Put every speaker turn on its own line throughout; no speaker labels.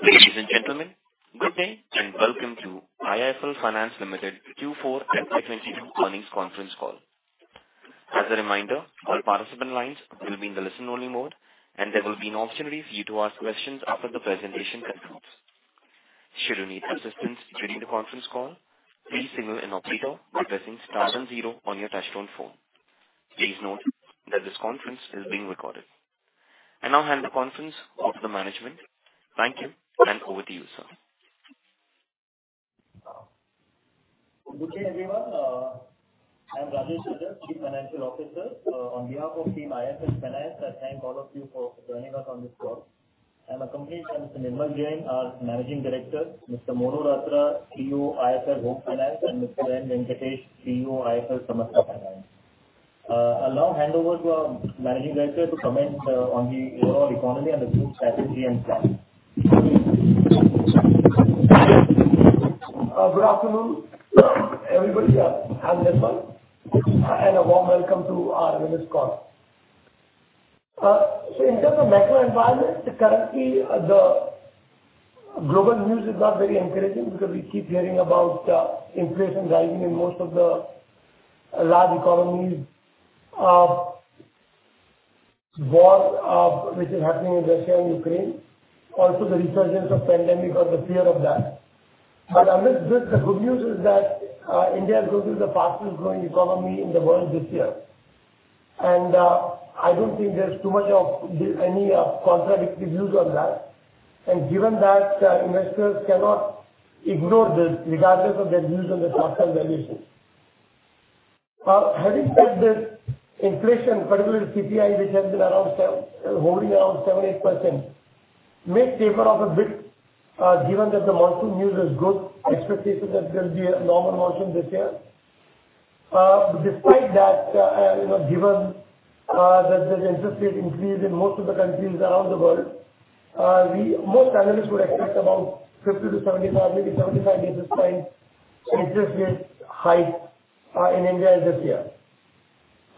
Ladies and gentlemen, good day and welcome to IIFL Finance Limited Q4 FY 2022 earnings conference call. As a reminder, all participant lines will be in the listen-only mode, and there will be an option ready for you to ask questions after the presentation concludes. Should you need assistance during the conference call, please signal an operator by pressing star then zero on your touch-tone phone. Please note that this conference is being recorded. I now hand the conference over to the management. Thank you, and over to you, sir.
Good day everyone. I'm Rajesh Rajak, Chief Financial Officer. On behalf of team IIFL Finance, I thank all of you for joining us on this call. I'm accompanied by Mr. Nirmal Jain, our managing director, Mr. Monu Ratra, CEO IIFL Home Finance, and Mr. Venkatesh N, CEO IIFL Samasta Finance. I'll now hand over to our managing director to comment on the overall economy and the group strategy and plan.
Good afternoon, everybody. I'm Nirmal, and a warm welcome to our earnings call. In terms of macro environment, currently, the global news is not very encouraging because we keep hearing about, inflation rising in most of the large economies. War, which is happening in Russia and Ukraine, also the resurgence of pandemic or the fear of that. But amidst this, the good news is that, India is going to be the fastest-growing economy in the world this year. I don't think there's too much of any contradictory views on that. Given that, investors cannot ignore this regardless of their views on the short-term valuation. Having said this, inflation, particularly CPI, which has been around seven... Hovering around 7%-8% may taper off a bit, given that the monsoon news is good. Expectation that there'll be a normal monsoon this year. Despite that, and, you know, given that there's interest rate increase in most of the countries around the world, most analysts would expect about 50 basis points-75 basis points, maybe 75 basis points interest rate hike in India this year.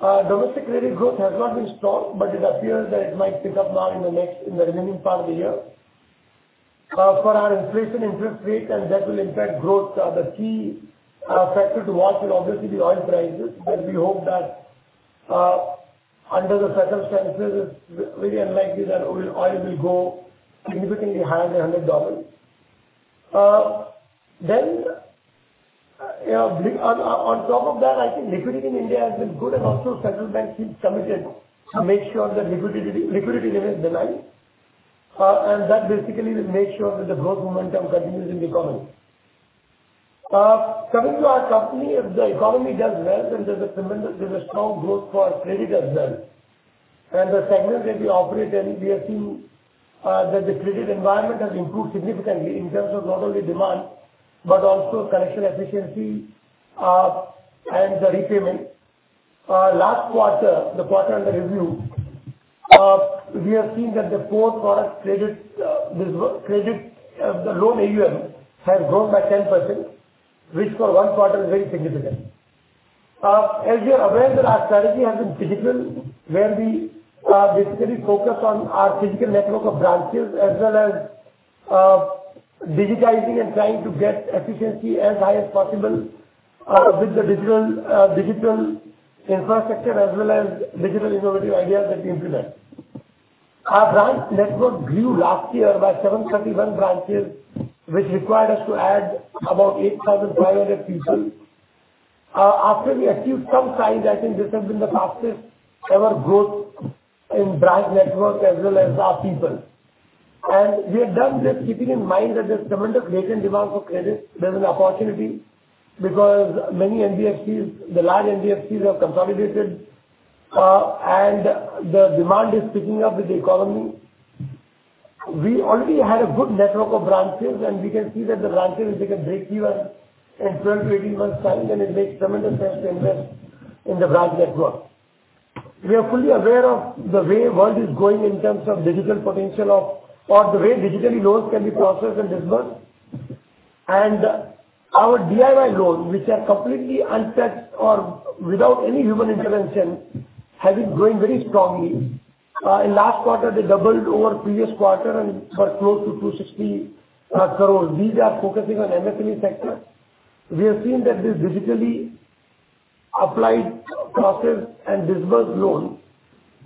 Domestic credit growth has not been strong, but it appears that it might pick up now in the remaining part of the year. For our inflation interest rate, and that will impact growth. The key factor to watch will obviously be oil prices, but we hope that, under the circumstances, it's very unlikely that oil will go significantly higher than $100. You know, on top of that, I think liquidity in India has been good and also central bank seems committed to make sure that liquidity remains benign. That basically will make sure that the growth momentum continues in the economy. Coming to our company, if the economy does well, then there's a strong growth for credit as well. The segments that we operate in, we have seen that the credit environment has improved significantly in terms of not only demand, but also collection efficiency and the repayment. Last quarter, the quarter under review, we have seen that the loan AUM has grown by 10%, which for one quarter is very significant. As you're aware that our strategy has been physical, where we basically focus on our physical network of branches as well as digitizing and trying to get efficiency as high as possible with the digital infrastructure as well as digital innovative ideas that we implement. Our branch network grew last year by 731 branches, which required us to add about 8,500 people. After we achieved some size, I think this has been the fastest ever growth in branch network as well as our people. We have done this keeping in mind that there's tremendous latent demand for credit. There's an opportunity because many NBFCs, the large NBFCs have consolidated, and the demand is picking up with the economy. We already had a good network of branches, and we can see that the branches will take a breakthrough in 12 months-18 months' time, then it makes tremendous sense to invest in the branch network. We are fully aware of the way world is going in terms of digital potential or the way digitally loans can be processed and disbursed. Our DIY loans, which are completely untouched or without any human intervention, have been growing very strongly. In last quarter, they doubled over previous quarter and were close to 260 crores. These are focusing on MSME sector. We have seen that this digitally applied, processed, and disbursed loans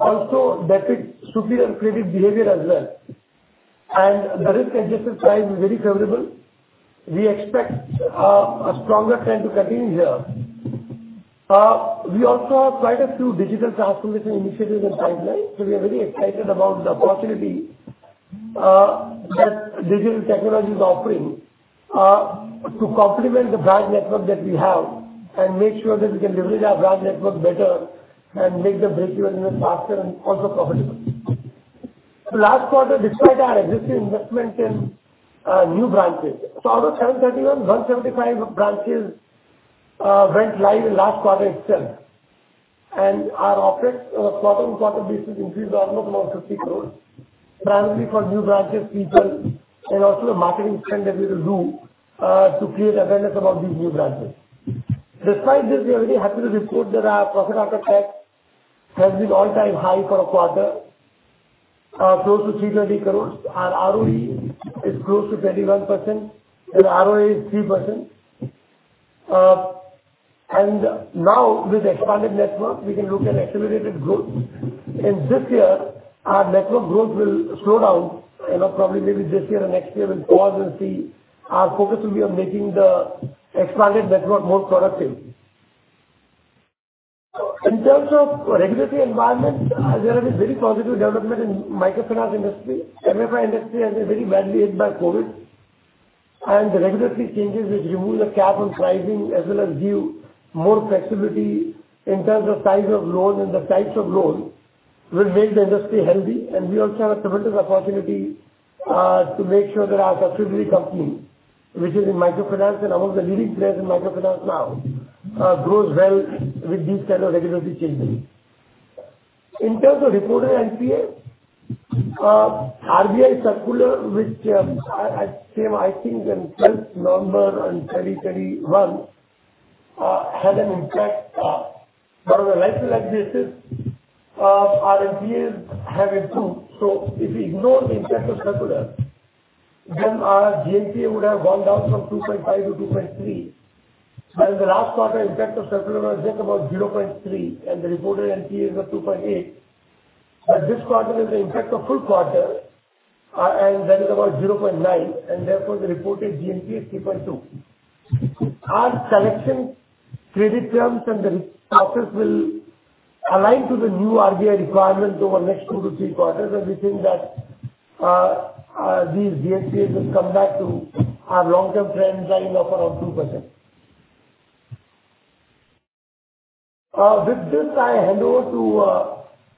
also depict superior credit behavior as well. The risk-adjusted size is very favorable. We expect a stronger trend to continue here. We also have quite a few digital transformation initiatives in pipeline. We are very excited about the opportunity that digital technology is offering to complement the branch network that we have and make sure that we can leverage our branch network better and make the breakthrough even faster and also profitable. Last quarter, despite our existing investment in new branches, out of 731, 175 branches went live in last quarter itself. Our OpEx on a quarter-on-quarter basis increased by about INR 50 crores, primarily for new branches' people and also a marketing spend that we do to create awareness about these new branches. Despite this, we are very happy to report that our profit after tax has been all-time high for a quarter, close to 300 crores. Our ROE is close to 21% and ROA is 3%. Now with expanded network, we can look at accelerated growth. In this year, our network growth will slow down and probably maybe this year or next year will pause and see. Our focus will be on making the expanded network more productive. In terms of regulatory environment, there is a very positive development in microfinance industry. MFI industry has been very badly hit by COVID. The regulatory changes which remove the cap on pricing as well as give more flexibility in terms of size of loans and the types of loans will make the industry healthy. We also have a tremendous opportunity to make sure that our subsidiary company, which is in microfinance and among the leading players in microfinance now, grows well with these kind of regulatory changes. In terms of reported NPA, RBI circular, which I think came in 12th November 2021, had an impact. On a like-to-like basis, our NPAs have improved. If you ignore the impact of circular, then our GNPA would have gone down from 2.5%-2.3%. In the last quarter, impact of circular was just about 0.3%, and the reported NPA was 2.8%. This quarter is the impact of full quarter, and that is about 0.9%, and therefore the reported GNPA is 3.2%. Our collection credit terms and the structures will align to the new RBI requirements over next two to three quarters. We think that these GNPAs will come back to our long-term trend line of around 2%. With this, I hand over to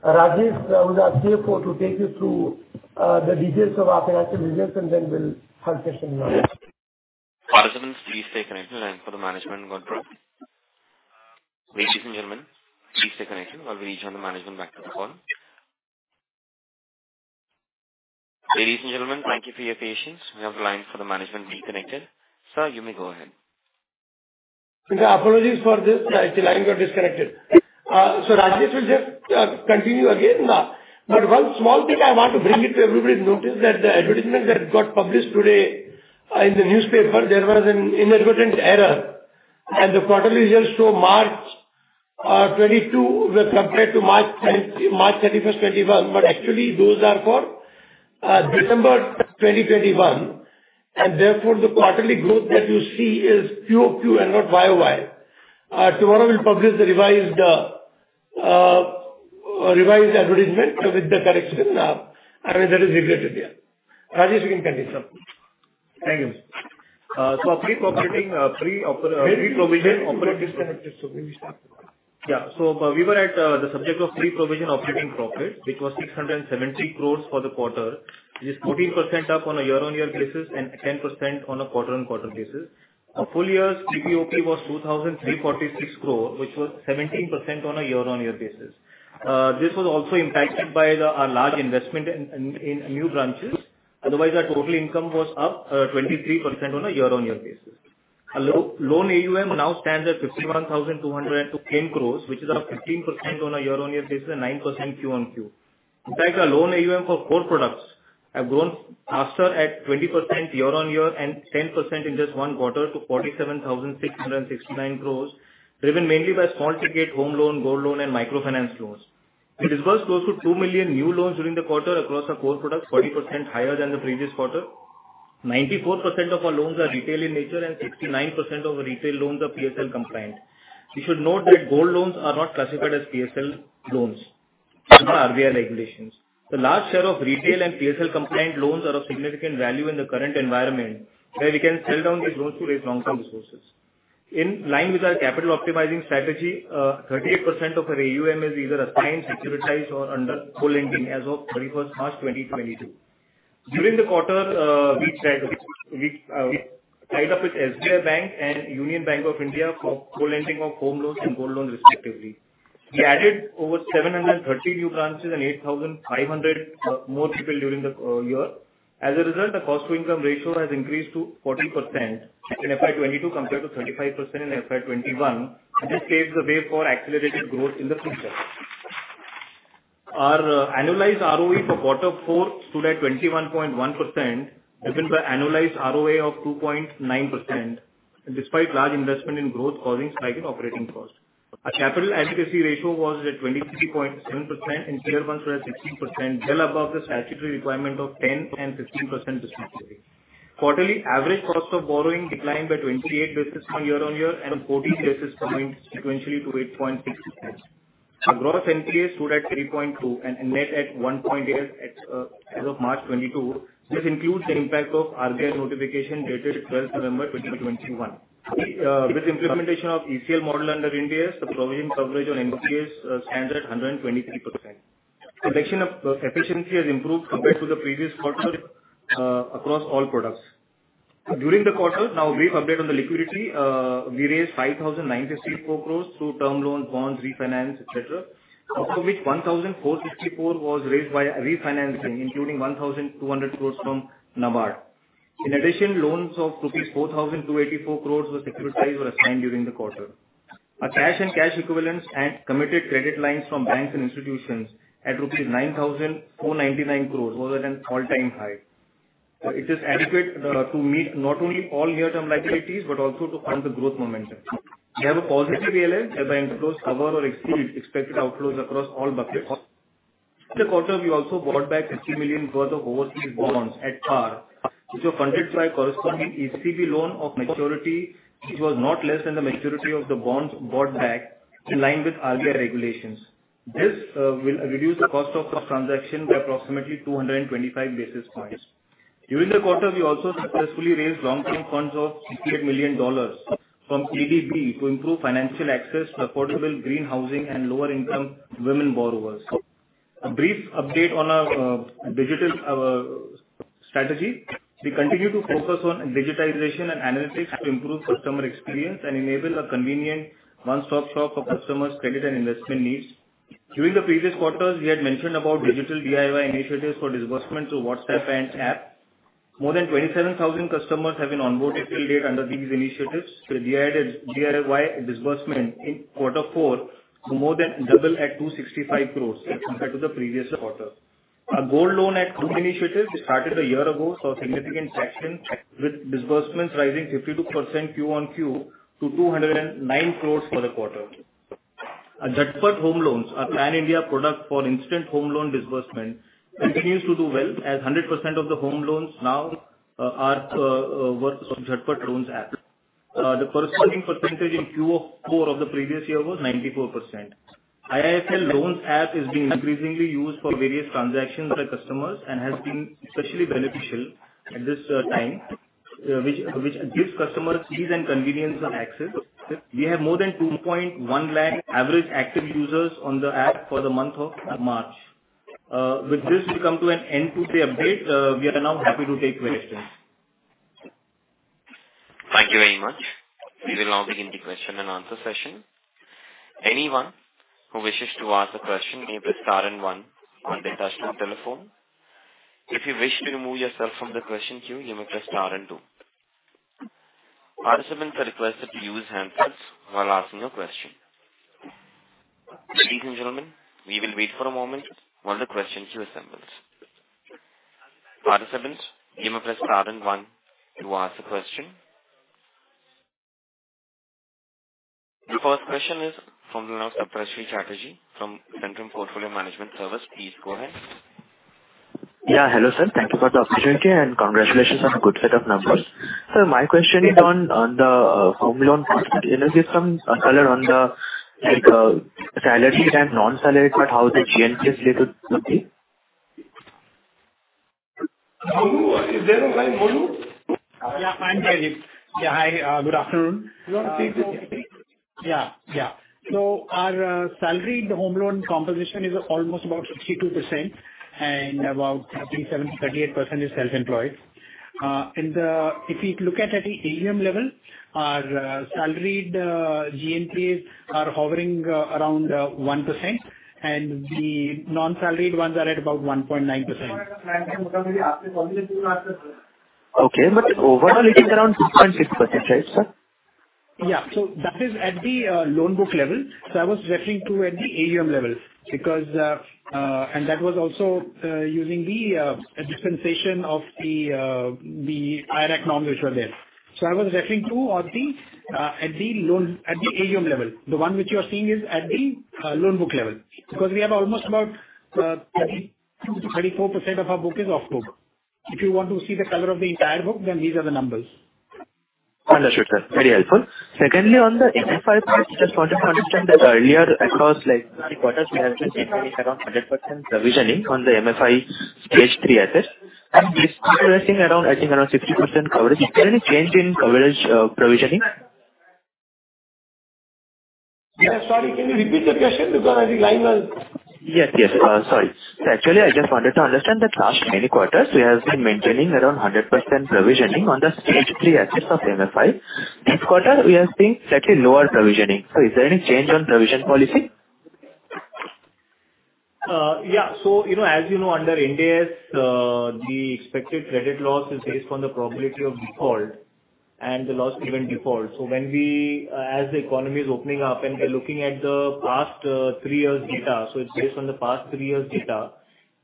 Rajesh, who is our CFO, to take you through the details of our financial results, and then we'll have session of Q&A.
Participants, please stay connected and for the management on phone. Ladies and gentlemen, please stay connected while we reach on the management back to the phone. Ladies and gentlemen, thank you for your patience. We have line for the management reconnected. Sir, you may go ahead.
Apologies for this. The line got disconnected. Rajesh will just continue again now. One small thing I want to bring it to everybody's notice that the advertisement that got published today in the newspaper, there was an inadvertent error. The quarterly results show March 2022 were compared to March 31, 2021. Actually, those are for December 2021. Therefore, the quarterly growth that you see is quarter-over-quarter and not year-over-year. Tomorrow we'll publish the revised advertisement with the correction. I mean, that is regretted, yeah. Rajesh, you can continue, sir.
Thank you. Our pre-provision operating
Ladies and gentlemen, line got disconnected. Maybe start from there.
We were at the subject of pre-provision operating profit. It was 670 crore for the quarter. This is 14% up on a year-on-year basis and 10% on a quarter-on-quarter basis. Our full year's PPOP was 2,346 crore, which was 17% on a year-on-year basis. This was also impacted by our large investment in new branches. Otherwise, our total income was up 23% on a year-on-year basis. Our loan AUM now stands at 51,210 crore, which is up 15% on a year-on-year basis and 9% quarter-on-quarter. In fact, our loan AUM for core products have grown faster at 20% year-on-year and 10% in just one quarter to 47,669 crores, driven mainly by small ticket home loan, gold loan, and microfinance loans. We disbursed close to 2 million new loans during the quarter across our core products, 40% higher than the previous quarter. 94% of our loans are retail in nature, and 69% of retail loans are PSL compliant. You should note that gold loans are not classified as PSL loans as per RBI regulations. The large share of retail and PSL compliant loans are of significant value in the current environment, where we can sell down these loans to raise long-term resources. In line with our capital optimizing strategy, 38% of our AUM is either assigned, securitized or under co-lending as of 31st March 2022. During the quarter, we tied up with SBI and Union Bank of India for co-lending of home loans and gold loans respectively. We added over 730 new branches and 8,500 more people during the year. As a result, the cost-to-income ratio has increased to 40% in FY 2022 compared to 35% in FY 2021. This paves the way for accelerated growth in the future. Our annualized ROE for quarter four stood at 21.1%, driven by annualized ROA of 2.9% despite large investment in growth causing spike in operating costs. Our capital adequacy ratio was at 23.7% and tier one was at 16%, well above the statutory requirement of 10% and 15% respectively. Quarterly average cost of borrowing declined by 28 basis points year-on-year and 14 basis points sequentially to 8.66 basis points. Our gross NPA stood at 3.2% and net at 1.8% as of March 2022. This includes the impact of RBI notification dated 12 November 2021. With implementation of ECL model under Ind AS, the provision coverage on NPAs stands at 123%. Collection efficiency has improved compared to the previous quarter across all products. During the quarter, now a brief update on the liquidity. We raised 5,964 crore through term loans, bonds, refinance, et cetera, of which 1,464 was raised via refinancing, including 1,200 crore from NABARD. In addition, loans of rupees 4,284 crore were securitized or assigned during the quarter. Our cash and cash equivalents and committed credit lines from banks and institutions at rupees 9,499 crore was at an all-time high. It is adequate to meet not only all near-term liabilities but also to fund the growth momentum. We have a positive ALM as the inflows cover or exceed expected outflows across all buckets. In the quarter, we also bought back $50 million worth of overseas bonds at par, which were funded by a corresponding ECB loan of maturity, which was not less than the maturity of the bonds bought back in line with RBI regulations. This will reduce the cost of transaction by approximately 225 basis points. During the quarter, we also successfully raised long-term funds of $68 million from ADB to improve financial access to affordable green housing and lower income women borrowers. A brief update on our digital strategy. We continue to focus on digitization and analytics to improve customer experience and enable a convenient one-stop shop for customers' credit and investment needs. During the previous quarters, we had mentioned about digital DIY initiatives for disbursement through WhatsApp and app. More than 27,000 customers have been onboarded till date under these initiatives. The DIY disbursement in quarter four more than doubled to 265 crore as compared to the previous quarter. Our Gold Loan at Home initiative, which started a year ago, saw significant traction with disbursements rising 52% Q-on-Q to 209 crores for the quarter. Our Jhatpat home loans, our Pan-India product for instant home loan disbursement, continues to do well, as 100% of the home loans now are worked on Jhatpat loans app. The corresponding percentage in Q4 of the previous year was 94%. IIFL Loans app is being increasingly used for various transactions by customers and has been especially beneficial at this time, which gives customers ease and convenience of access. We have more than 2.1 lakh average active users on the app for the month of March. With this, we come to an end of the update. We are now happy to take questions.
Thank you very much. We will now begin the question and answer session. Anyone who wishes to ask a question may press star and one on their touchtone telephone. If you wish to remove yourself from the question queue, you may press star and two. Participants are requested to use headphones while asking a question. Ladies and gentlemen, we will wait for a moment while the question queue assembles. Participants, you may press star and one to ask a question. The first question is from Saptarshee Chatterjee from Centrum Portfolio Management Services. Please go ahead.
Yeah, hello sir. Thank you for the opportunity and congratulations on a good set of numbers. Sir, my question is on the home loan. Can you give some color on the, like, salaried and non-salaried, like how the GNPA plays to the team?
Monu, is there a guy, Monu?
Yeah, I'm present. Yeah, hi. Good afternoon.
You want to take this?
Our salaried home loan composition is almost about 62% and about 37%-38% is self-employed. If you look at the AUM level, our salaried GNPA are hovering around 1% and the non-salaried ones are at about 1.9%.
Okay. Overall it is around 6.6%, right, sir?
Yeah. That is at the loan book level. I was referring to at the AUM level because, and that was also using the dispensation of the IRAC norms which were there. I was referring to at the AUM level. The one which you are seeing is at the loan book level. Because we have almost about 30%-34% of our book is off-book. If you want to see the color of the entire book, then these are the numbers.
Understood, sir. Very helpful. Secondly, on the MFI part, just wanted to understand that earlier across like three quarters we have been maintaining around 100% provisioning on the MFI Stage 3 assets. This quarter we're seeing around, I think around 60% coverage. Is there any change in coverage, provisioning?
Yeah. Sorry, can you repeat the question? Because I think line was.
Yes, yes. Sorry. Actually, I just wanted to understand that last many quarters we have been maintaining around 100% provisioning on the stage three assets of MFI. This quarter we are seeing slightly lower provisioning. Is there any change on provision policy?
You know, as you know, under Ind AS, the expected credit loss is based on the probability of default and the loss given default. When we, as the economy is opening up and we're looking at the past three years data, it's based on the past three years data,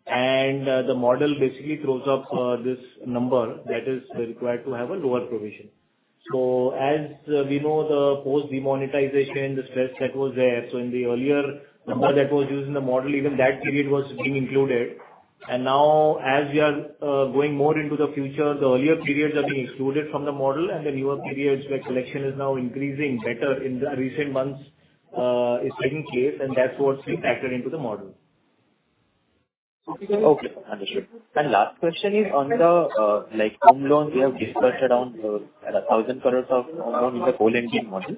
and the model basically throws up this number that is required to have a lower provision. As we know the post demonetization, the stress that was there. In the earlier number that was used in the model, even that period was being included. Now as we are going more into the future, the earlier periods are being excluded from the model and the newer periods where collection is now increasing better in the recent months is taking place and that's what's being factored into the model.
Okay. Understood. Last question is on the like home loans, we have disbursed around 1,000 crore of home loans in the co-lending model.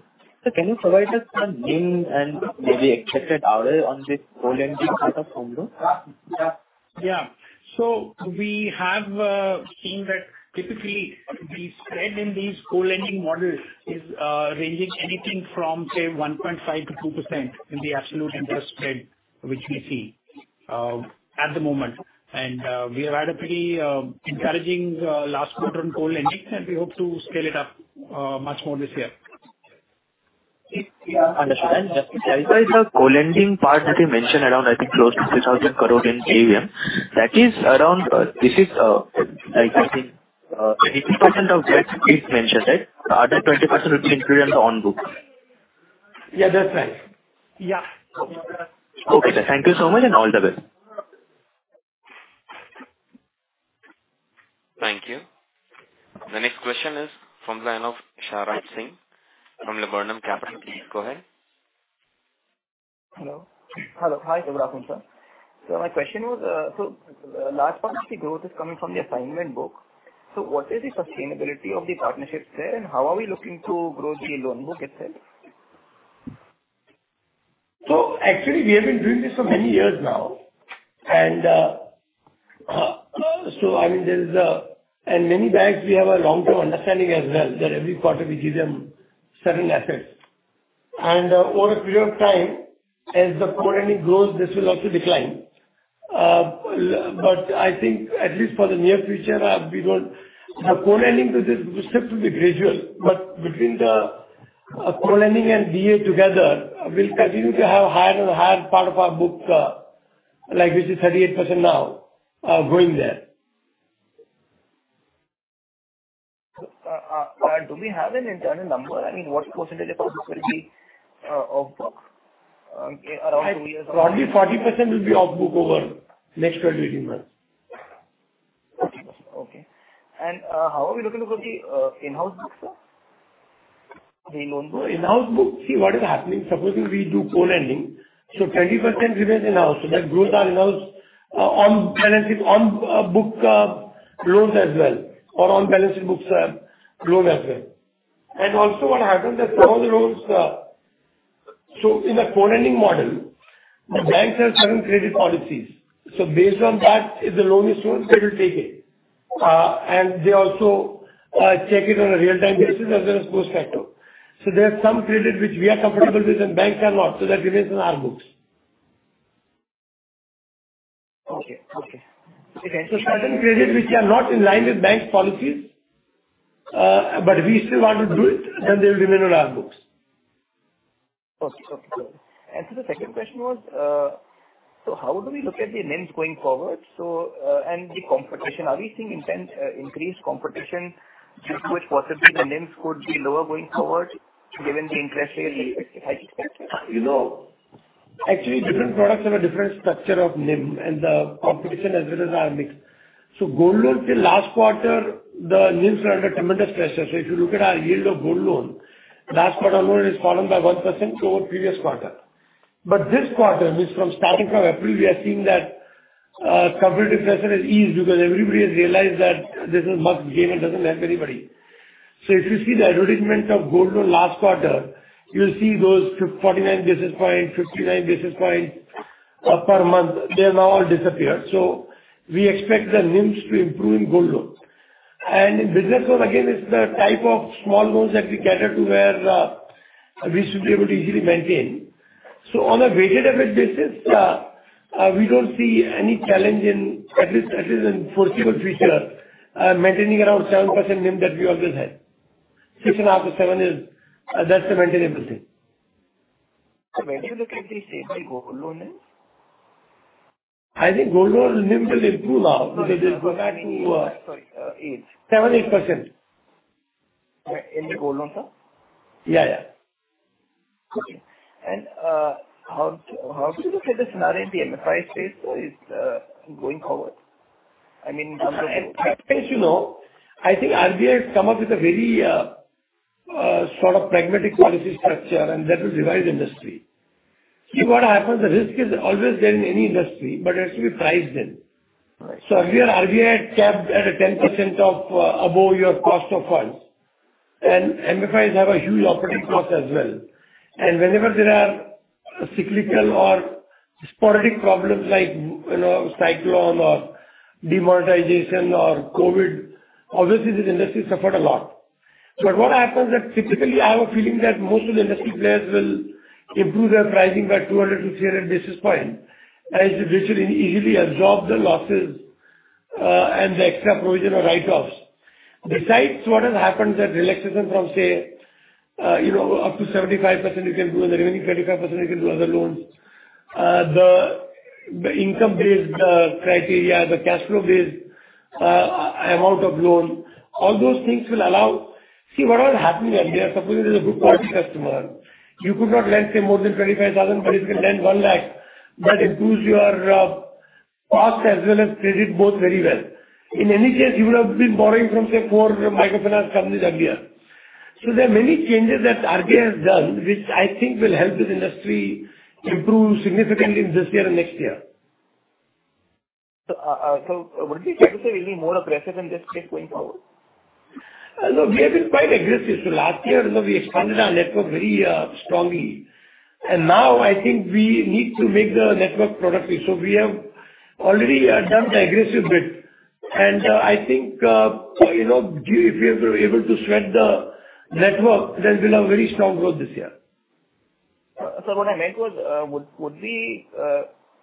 Can you provide us some lens and maybe expected yield on this co-lending set of home loans?
Yeah.
Yeah. We have seen that typically the spread in these co-lending models is ranging anything from, say, 1.5%-2% in the absolute interest spread, which we see at the moment. We have had a pretty encouraging last quarter on co-lending, and we hope to scale it up much more this year.
Understood. Likewise, the co-lending part that you mentioned around, I think close to 3,000 crore in AUM, that is around, like, I think, 25% of that is mentioned, right? The other 20% which included on book.
Yeah, that's right. Yeah.
Okay, sir. Thank you so much, and all the best.
Thank you. The next question is from the line of Sharaj Singh from Laburnum Capital. Please go ahead.
Hello. Hello. Hi, good afternoon, sir. My question was, large part of the growth is coming from the assignment book. What is the sustainability of the partnerships there, and how are we looking to grow the loan book itself?
Actually we have been doing this for many years now. I mean, in many banks, we have a long-term understanding as well that every quarter we give them certain assets. Over a period of time, as the co-lending grows, this will also decline. I think at least for the near future, we won't. The co-lending with this will still be gradual, but between the co-lending and DA together, we'll continue to have higher and higher part of our book, like this is 38% now, going there.
Do we have an internal number? I mean, what percentage of this will be off book around two years?
Probably 40% will be off book over next 12 months-18 months.
Okay. How are we looking to grow the in-house book, sir? The loan book.
In-house book. See what is happening. Supposing we do co-lending, so 20% remains in-house. That grows our in-house on balance sheet books, loans as well. Also what happens is some of the loans. In a co-lending model, the banks have certain credit policies. Based on that, if the loan is strong, they will take it. They also check it on a real-time basis as well as post facto. There are some credit which we are comfortable with and banks are not, so that remains on our books.
Okay.
Certain credit which are not in line with bank policies, but we still want to do it, then they will remain on our books.
Okay. The second question was, how do we look at the NIMs going forward, and the competition, are we seeing intense, increased competition due to which possibly the NIMs could be lower going forward given the inflationary
You know, actually different products have a different structure of NIM and the competition as well as our mix. Gold loans till last quarter, the NIMs were under tremendous pressure. If you look at our yield of gold loan, last quarter alone, it has fallen by 1% over previous quarter. This quarter, meaning from starting from April, we are seeing that competitive pressure has eased because everybody has realized that this is a mug's game and doesn't help anybody. If you see the erosion of gold loan last quarter, you'll see those 49 basis points, 59 basis points per month, they have now all disappeared. We expect the NIMs to improve in gold loans. In business loan, again, it's the type of small loans that we cater to where we should be able to easily maintain. On a weighted average basis, we don't see any challenge in at least in foreseeable future maintaining around 7% NIM that we always had. 6.5%-7% is, that's a maintainable thing.
When do you look at the same way gold loan is?
I think gold loan NIM will improve now because they'll go back to.
Sorry. 8%.
7%-8%.
In the gold loan, sir?
Yeah, yeah.
How would you look at the scenario in the MFI space is going forward? I mean, in terms of-
MFI space, you know, I think RBI has come up with a very, sort of pragmatic policy structure, and that will revive the industry. See what happens, the risk is always there in any industry, but it has to be priced in.
Right.
Earlier RBI had capped at a 10% of, above your cost of funds. MFIs have a huge operating cost as well. Whenever there are cyclical or sporadic problems like, you know, cyclone or demonetization or COVID, obviously this industry suffered a lot. What happens is typically I have a feeling that most of the industry players will improve their pricing by 200 basis points-300 basis points, which will easily absorb the losses, and the extra provision or write-offs. Besides, what has happened is that relaxation from say, you know, up to 75% you can do in the revenue, 25% you can do other loans. The income-based criteria, the cash flow-based amount of loan, all those things will allow. See what all happened earlier. Suppose there's a good quality customer, you could not lend, say, more than 25,000 crore, but if you lend 1 lakh, that improves your cost as well as credit both very well. In any case, you would have been borrowing from, say, four microfinance companies earlier. There are many changes that RBI has done, which I think will help this industry improve significantly this year and next year.
Would you try to be any more aggressive in this space going forward?
No, we have been quite aggressive. Last year, you know, we expanded our network very strongly. Now I think we need to make the network productive. We have already done the aggressive bit. I think, you know, if we are able to spread the network, there's been a very strong growth this year.
What I meant was, would we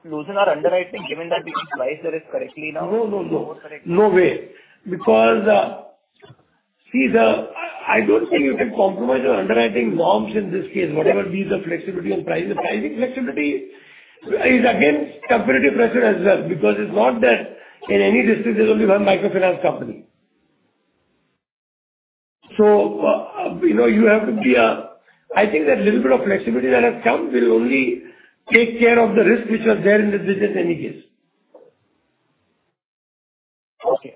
loosen our underwriting given that we can price the risk correctly now?
No, no.
More correctly.
No way. Because I don't think you can compromise your underwriting norms in this case, whatever be the flexibility on price. The pricing flexibility is against competitive pressure as well, because it's not that in any district there's only one microfinance company. You know, you have to be. I think that little bit of flexibility that has come will only take care of the risk which was there in the district in any case.
Okay.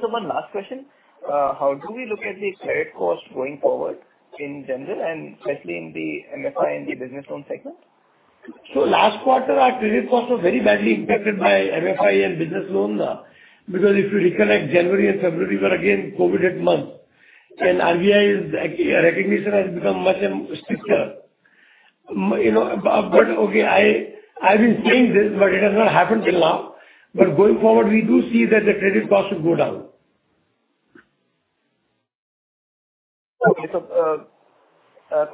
One last question. How do we look at the credit cost going forward in general and especially in the MFI and the business loan segment?
Last quarter our credit costs were very badly impacted by MFI and business loans, because if you recollect January and February were again COVID hit months and RBI's recognition has become much stricter. You know, I've been saying this, but it has not happened till now, but going forward we do see that the credit cost should go down.
Okay.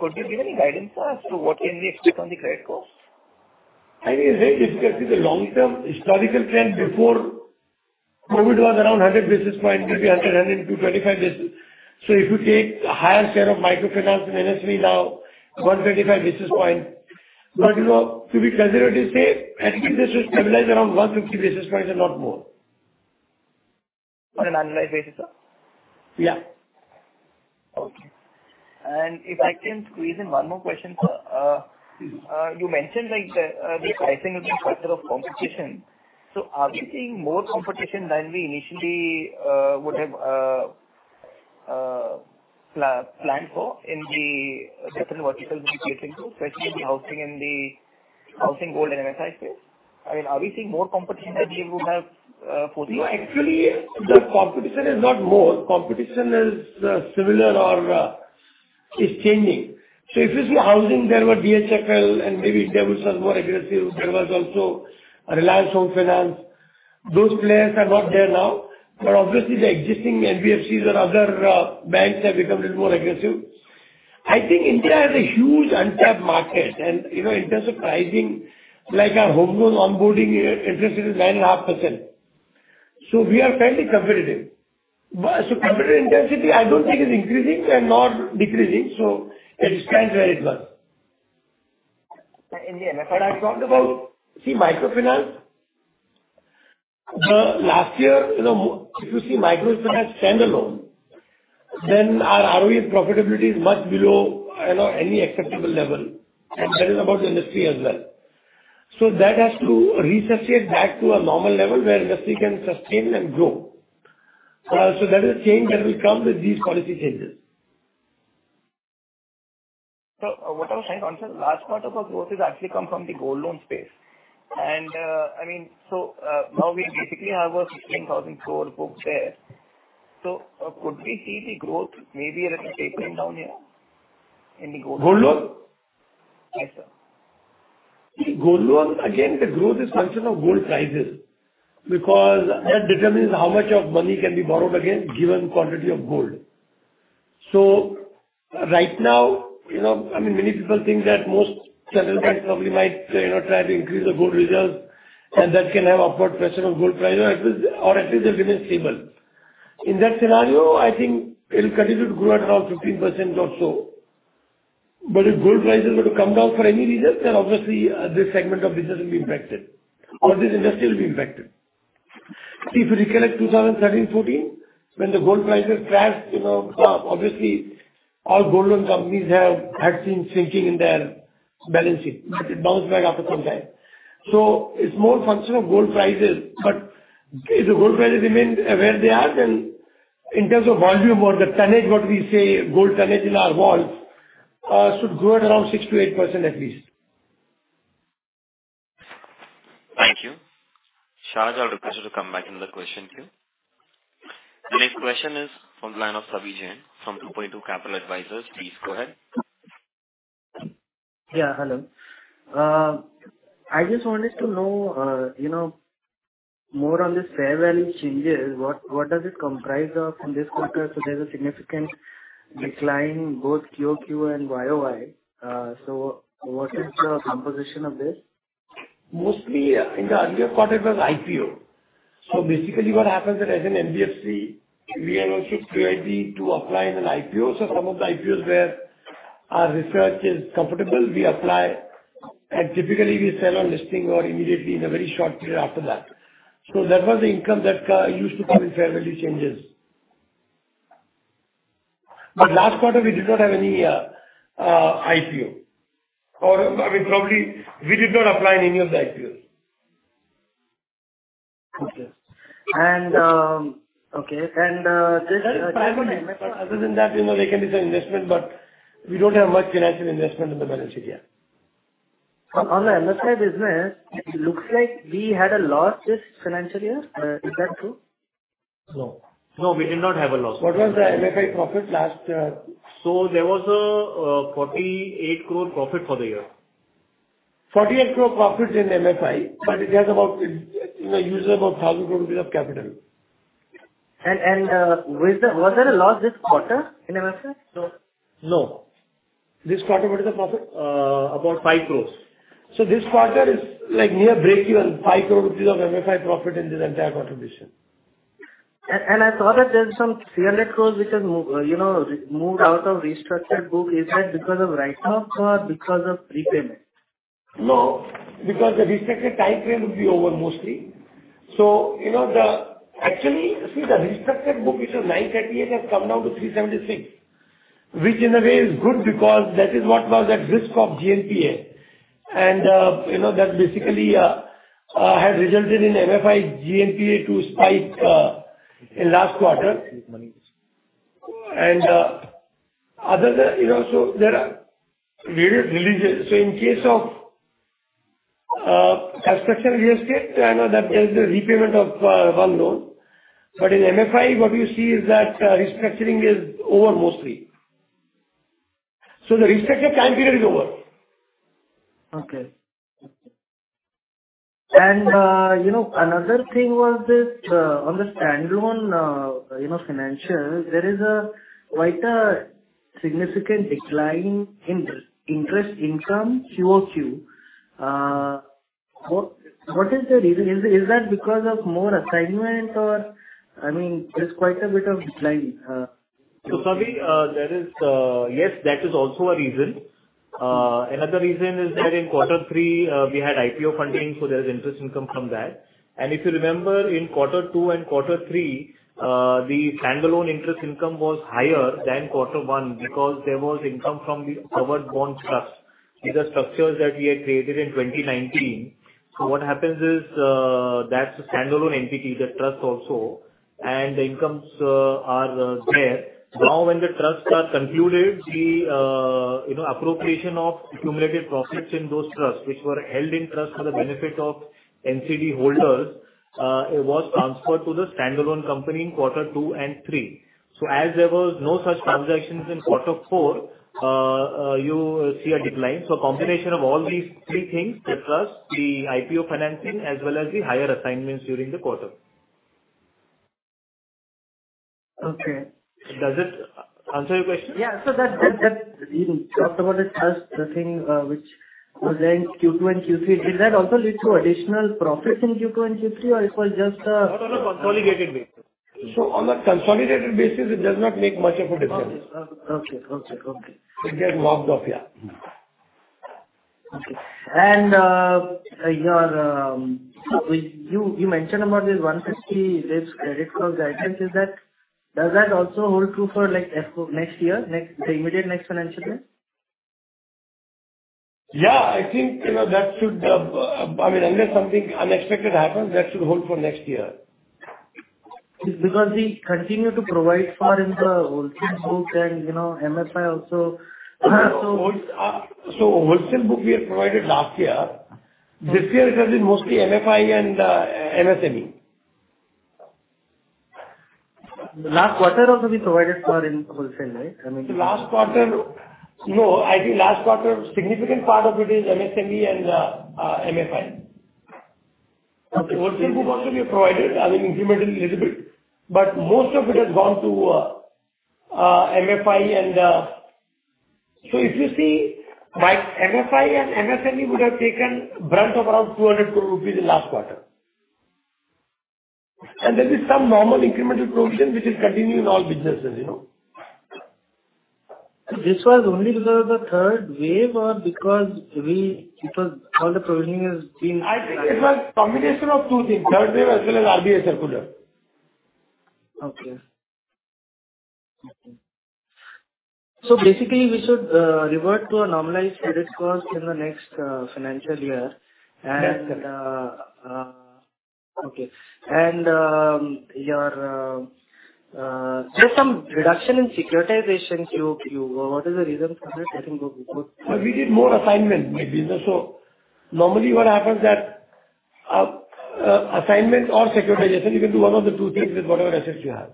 Could we be getting guidance as to what can we expect on the credit cost?
I think it's very difficult. See the long-term historical trend before COVID was around 100 basis points, maybe 100 basis points and 225 basis points. If you take a higher share of microfinance in NSV now, 125 basis points. You know, to be conservative, say, I think this should stabilize around 150 basis points and not more.
On an annualized basis, sir?
Yeah.
Okay. If I can squeeze in one more question, sir.
You mentioned, like, the pricing with structure of competition. Are we seeing more competition than we initially would have planned for in the different verticals we play into, especially in the housing and the housing gold and MFI space? I mean, are we seeing more competition than we would have foreseen?
No, actually the competition is not more. Competition is similar or is changing. If you see housing, there were DHFL and maybe Dewan who were more aggressive. There was also Reliance Home Finance. Those players are not there now. Obviously the existing NBFCs or other banks have become a little more aggressive. I think India has a huge untapped market and, you know, in terms of pricing, like our home loan onboarding interest is 9.5%. We are fairly competitive. The competitive intensity, I don't think is increasing and not decreasing. It stands very well.
In the MFI-
I talked about microfinance last year, you know, if you see microfinance standalone, then our ROE profitability is much below, you know, any acceptable level, and that is about the industry as well. That has to resuscitate back to a normal level where industry can sustain and grow. That is a change that will come with these policy changes.
What I was trying to understand, last part of our growth has actually come from the gold loan space. Now we basically have a 16,000 crore book there. Could we see the growth maybe a little tapering down here in the gold loan?
Gold loan?
Yes, sir.
See gold loan, again, the growth is function of gold prices because that determines how much of money can be borrowed against given quantity of gold. Right now, you know, I mean, many people think that most general banks probably might, you know, try to increase the gold reserves and that can have upward pressure on gold prices or at least they'll remain stable. In that scenario, I think it'll continue to grow at around 15% or so. If gold prices were to come down for any reason, then obviously this segment of business will be impacted or this industry will be impacted. If you recollect 2013, 2014, when the gold prices crashed, you know, obviously all gold loan companies have had seen shrinking in their balance sheet, but it bounced back after some time. It's more a function of gold prices. If the gold prices remain where they are, then in terms of volume or the tonnage, what we say gold tonnage in our vaults, should grow at around 6%-8% at least.
Thank you. Sharaj, I'll request you to come back with another question queue. The next question is from the line of Savi Jain from 2Point2 Capital Advisors. Please go ahead.
Yeah, hello. I just wanted to know, you know, more on this fair value changes. What does it comprise of in this quarter? There's a significant decline both Q-O-Q and Y-O-Y. What is the composition of this?
Mostly in the earlier quarter it was IPO. Basically what happens is as an NBFC, we are also free to apply in an IPO. Some of the IPOs where our research is comfortable, we apply and typically we sell on listing or immediately in a very short period after that. That was the income that used to call it fair value changes. Last quarter we did not have any IPO or, I mean, probably we did not apply in any of the IPOs.
Okay.
That is primary. Other than that, you know, there can be some investment, but we don't have much financial investment in the balance sheet, yeah.
On the MFI business, it looks like we had a loss this financial year. Is that true?
No. No, we did not have a loss.
What was the MFI profit last?
There was 48 crore profit for the year.
48 crore profit in MFI, but it has about, you know, usage of 1,000 crore rupees of capital.
Was there a loss this quarter in MFI? No.
No. This quarter, what is the profit?
About 5 crore.
This quarter is like near breakeven, 5 crore rupees of MFI profit in this entire contribution.
I thought that there's some 300 crore which has moved out of restructured book. Is that because of write-offs or because of prepayment?
No, because the restricted timeframe will be over mostly. You know, actually, see the restructured book, which was 938 crore, has come down to 376 crore. Which in a way is good because that is what was at risk of GNPA. You know, that basically had resulted in MFI's GNPA to spike in last quarter. Other than, you know, there are various releases. In case of construction real estate, I know that there's a repayment of one loan. In MFI, what you see is that restructuring is over mostly. The restricted time period is over.
Okay. You know, another thing was that on the standalone financials, there is quite a significant decline in interest income Q-O-Q. What is the reason? Is that because of more assignment? I mean, there's quite a bit of decline.
Savi, there is, yes, that is also a reason. Another reason is that in quarter three, we had IPO funding, so there is interest income from that. If you remember, in quarter two and quarter three, the standalone interest income was higher than quarter one because there was income from the covered bond trust. These are structures that we had created in 2019. What happens is, that's a standalone entity, the trust also, and the incomes are there. Now, when the trusts are concluded, the you know, appropriation of accumulated profits in those trusts, which were held in trust for the benefit of NCD holders, it was transferred to the standalone company in quarter two and three. As there was no such transactions in quarter four, you see a decline. Combination of all these three things, the trust, the IPO financing, as well as the higher assignments during the quarter.
Okay.
Does it answer your question?
That you talked about the trust thing, which was in Q2 and Q3. Did that also lead to additional profits in Q2 and Q3, or it was just a-
Not on a consolidated basis.
On a consolidated basis, it does not make much of a difference.
Okay.
It gets marked up, yeah.
Okay. You mentioned about this 150 risk credit cost guidance. Does that also hold true for like FY next year, the immediate next financial year?
Yeah. I think, you know, that should, I mean, unless something unexpected happens, that should hold for next year.
Because we continue to provide for in the wholesale book and, you know, MFI also.
Wholesale book we had provided last year. This year it has been mostly MFI and MSME.
Last quarter also we provided for in wholesale, right? I mean.
Last quarter, no. I think last quarter, significant part of it is MSME and MFI.
Okay.
Wholesale book also we have provided, I mean, incrementally a little bit, but most of it has gone to MFI and. So if you see, like MFI and MSME would have taken a brunt of around 200 crore rupees in last quarter. There is some normal incremental provision which is continuing in all businesses, you know.
This was only because of the third wave or because all the provisioning has been.
I think it was combination of two things, third wave as well as RBI circular.
Okay. Basically we should revert to a normalized credit cost in the next financial year.
Yes.
There's some reduction in securitization Q-O-Q. What is the reason for the reduction of-
We did more assignment in the business, so normally what happens that, assignment or securitization, you can do one of the two things with whatever assets you have.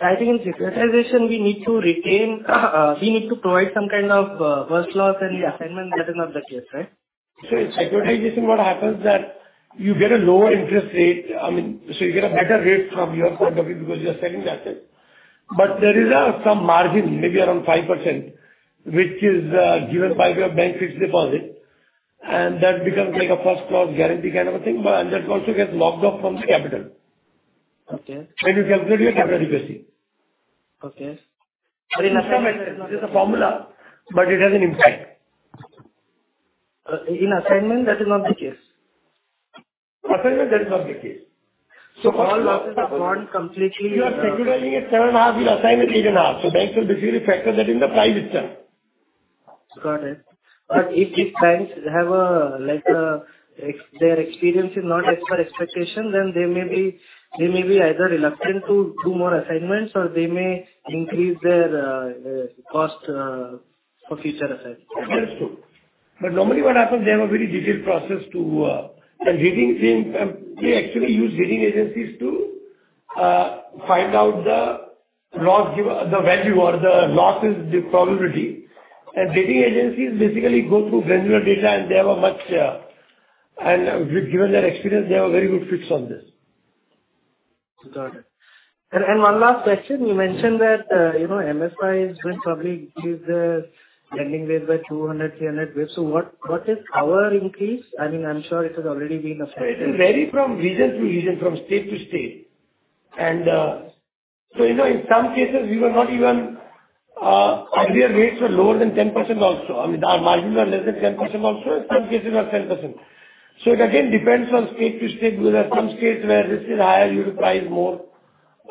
I think in securitization we need to provide some kind of first loss, and in the assignment that is not the case, right?
In securitization, what happens that you get a lower interest rate. I mean, you get a better rate from your point of view because you are selling the asset. There is some margin, maybe around 5%, which is given by your bank fixed deposit, and that becomes like a first loss guarantee kind of a thing. That also gets marked up from the capital.
Okay.
When you calculate your capital efficiency.
Okay.
It's a formula, but it has an impact.
In assignment, that is not the case.
That is not the case. First
All losses are borne completely.
If you are securitizing at 7.5%, you'll assign with 8.5%. Banks will basically factor that in the price itself.
Got it. If banks' experience is not as per expectation, then they may be either reluctant to do more assignments or they may increase their cost for future assignments.
That's true. Normally what happens, they have a very detailed process. The rating team, they actually use rating agencies to find out the loss given default or the probability of default. Rating agencies basically go through granular data, and given their experience, they have a very good fix on this.
Got it. One last question. You mentioned that RBI is going to probably hike the lending rates by 200 basis points-300 basis points. What is our increase? I mean, I'm sure it has already been affected.
It will vary from region to region, from state to state. You know, in some cases earlier rates were lower than 10% also. I mean, our margins were less than 10% also. In some cases it was 10%. It again depends on state to state, because some states where risk is higher, you will price more.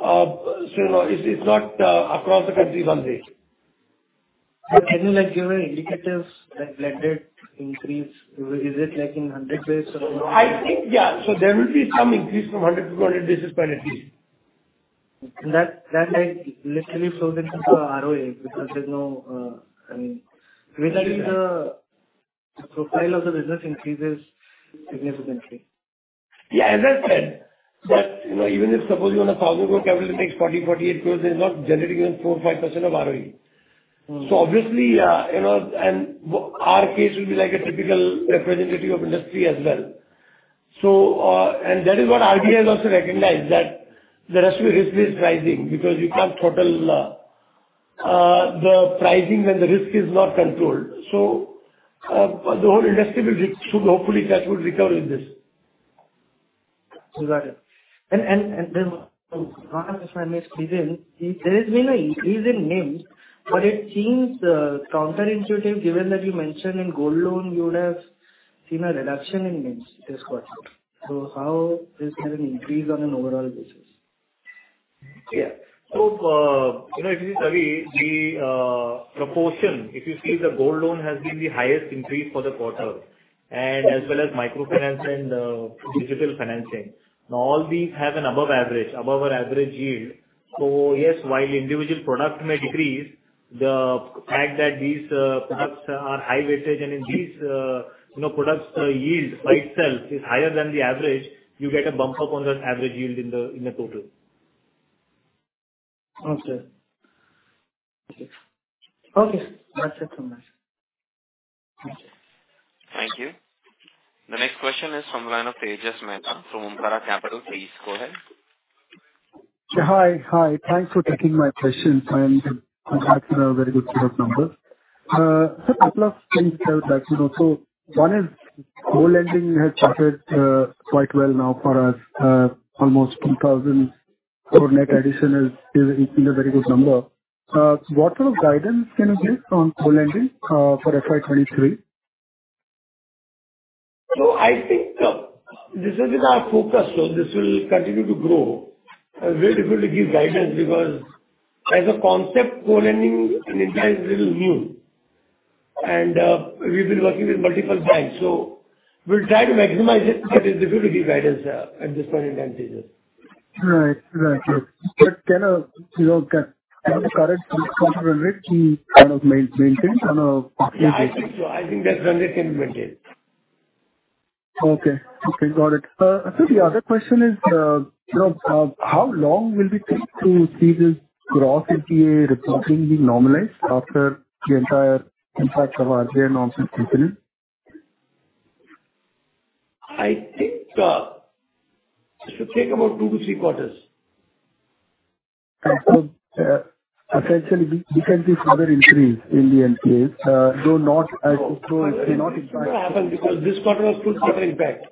You know, it's not across the country one rate.
Can you, like, give any indicators that lending rate increase is like in 100 basis points or?
I think, yeah. There will be some increase from 100 basis points-200 basis points at least.
That like literally flows into the ROA because there's no, I mean.
Exactly.
Given that the profile of the business increases significantly.
Yeah, as I said, that, you know, even if suppose you own 1,000 crore capital, it takes 40 crore-48 crore, it's not generating even 4%-5% of ROE. Obviously, you know, and our case will be like a typical representative of industry as well. That is what RBI has also recognized, that the rest of your risk is rising because you can't control the pricing and the risk is not controlled. The whole industry should hopefully that would recover in this.
Got it. One of my next question is, there has been an increase in NIM, but it seems counterintuitive given that you mentioned in gold loan you would have seen a reduction in NIM this quarter. How is there an increase on an overall basis?
Yeah, you know, if you see, Savi, the proportion, the gold loan has been the highest increase for the quarter and as well as microfinance and digital financing. Now all these have an above our average yield. Yes, while individual product may decrease, the fact that these products are high weightage and in these, you know, products, the yield by itself is higher than the average, you get a bump up on the average yield in the total.
Okay. That's it from my side. Okay.
Thank you. The next question is from the line of Tejas Mehta from Umbra Capital. Please go ahead.
Hi. Thanks for taking my questions and congrats on a very good set of numbers. Sir, couple of things to tell that, you know. One is gold lending has charted quite well now for us. Almost 2,000 crore net addition is a very good number. What sort of guidance can you give on gold lending for FY 2023?
I think this is in our focus. This will continue to grow. Very difficult to give guidance because as a concept, gold lending in India is a little new and we've been working with multiple banks. We'll try to maximize it, but it's difficult to give guidance at this point in time, Tejas.
Right. Yes. You know, can the current hundred be kind of maintained on a?
Yeah. I think so. I think that 100 can be maintained.
Okay. Got it. Sir, the other question is, you know, how long will it take to see this gross NPA reporting be normalized after the entire impact of earlier norms is included?
I think, it should take about two to three quarters.
Essentially, we can see further increase in the NPAs, though not as acute. It may not impact.
It won't happen because this quarter was full quarter impact.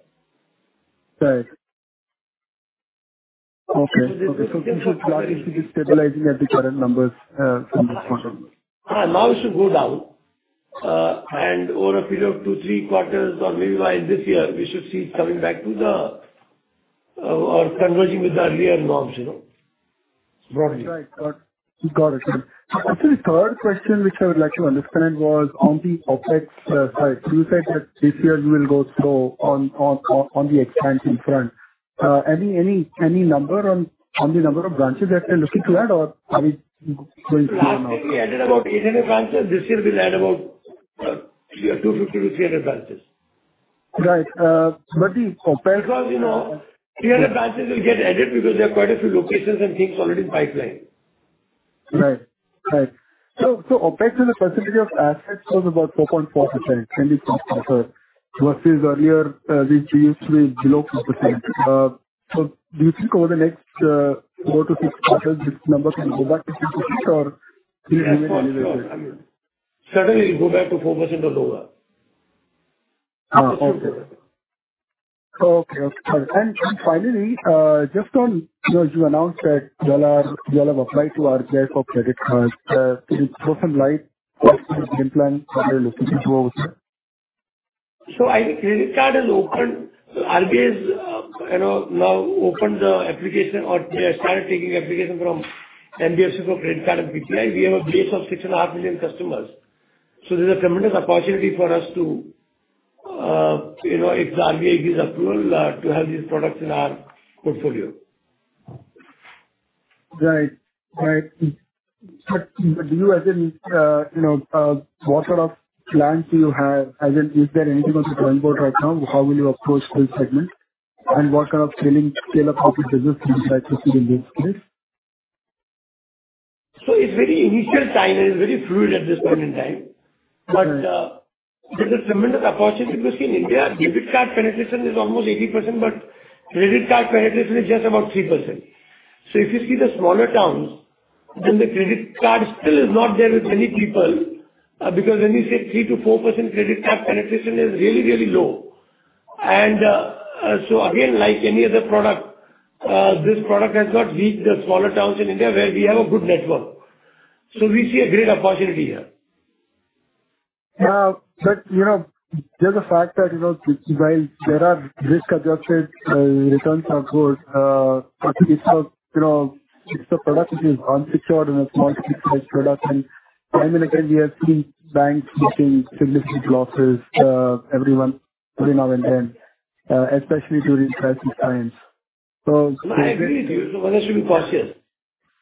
Right. Okay. This is starting to be stabilizing at the current numbers from this quarter.
Now it should go down, and over a period of two, three quarters or maybe by this year, we should see it coming back or converging with the earlier norms, you know.
Right. Got it. Actually, third question which I would like to understand was on the OpEx side. You said that this year you will go slow on the expansion front. Any number on the number of branches that you're looking to add or are we going to
Last year we added about 800 branches. This year we'll add about 250-300 branches.
Right. Compared to
Because, you know, 300 branches will get added because there are quite a few locations and things already in pipeline.
Right. Opex as a percentage of assets was about 4.4%, can we confirm, sir? Versus earlier, we used to be below 2%. Do you think over the next four to six quarters this number can go back to 2% or will remain elevated?
Yes. Surely. Certainly, it will go back to 4% or lower.
Finally, just on, you know, you announced that you have applied to RBI for credit cards. Could you throw some light on the plan, where you are looking to go?
I think credit card has opened. RBI has now opened the application or they have started taking application from NBFCs for credit card and UPI. We have a base of 6.5 million customers. There's a tremendous opportunity for us to, if the RBI gives approval, to have these products in our portfolio.
Right. Right. Do you, as in, you know, what sort of plans do you have as in is there anything on the drawing board right now? How will you approach this segment and what kind of scale up of the business do you try to see in this space?
It's very initial time and it's very fluid at this point in time.
Okay.
There's a tremendous opportunity because in India, debit card penetration is almost 80%, but credit card penetration is just about 3%. If you see the smaller towns, then the credit card still is not there with many people, because when you say 3%-4% credit card penetration is really, really low. Again, like any other product, this product has got reach the smaller towns in India where we have a good network. We see a great opportunity here.
Yeah. You know, there's a fact that, you know, while there are risk-adjusted returns are good, actually it's a, you know, it's a product which is unsecured and it's not fixed price product. Time and again we have seen banks booking significant losses, every month every now and then, especially during crisis times.
I agree with you. One has to be cautious.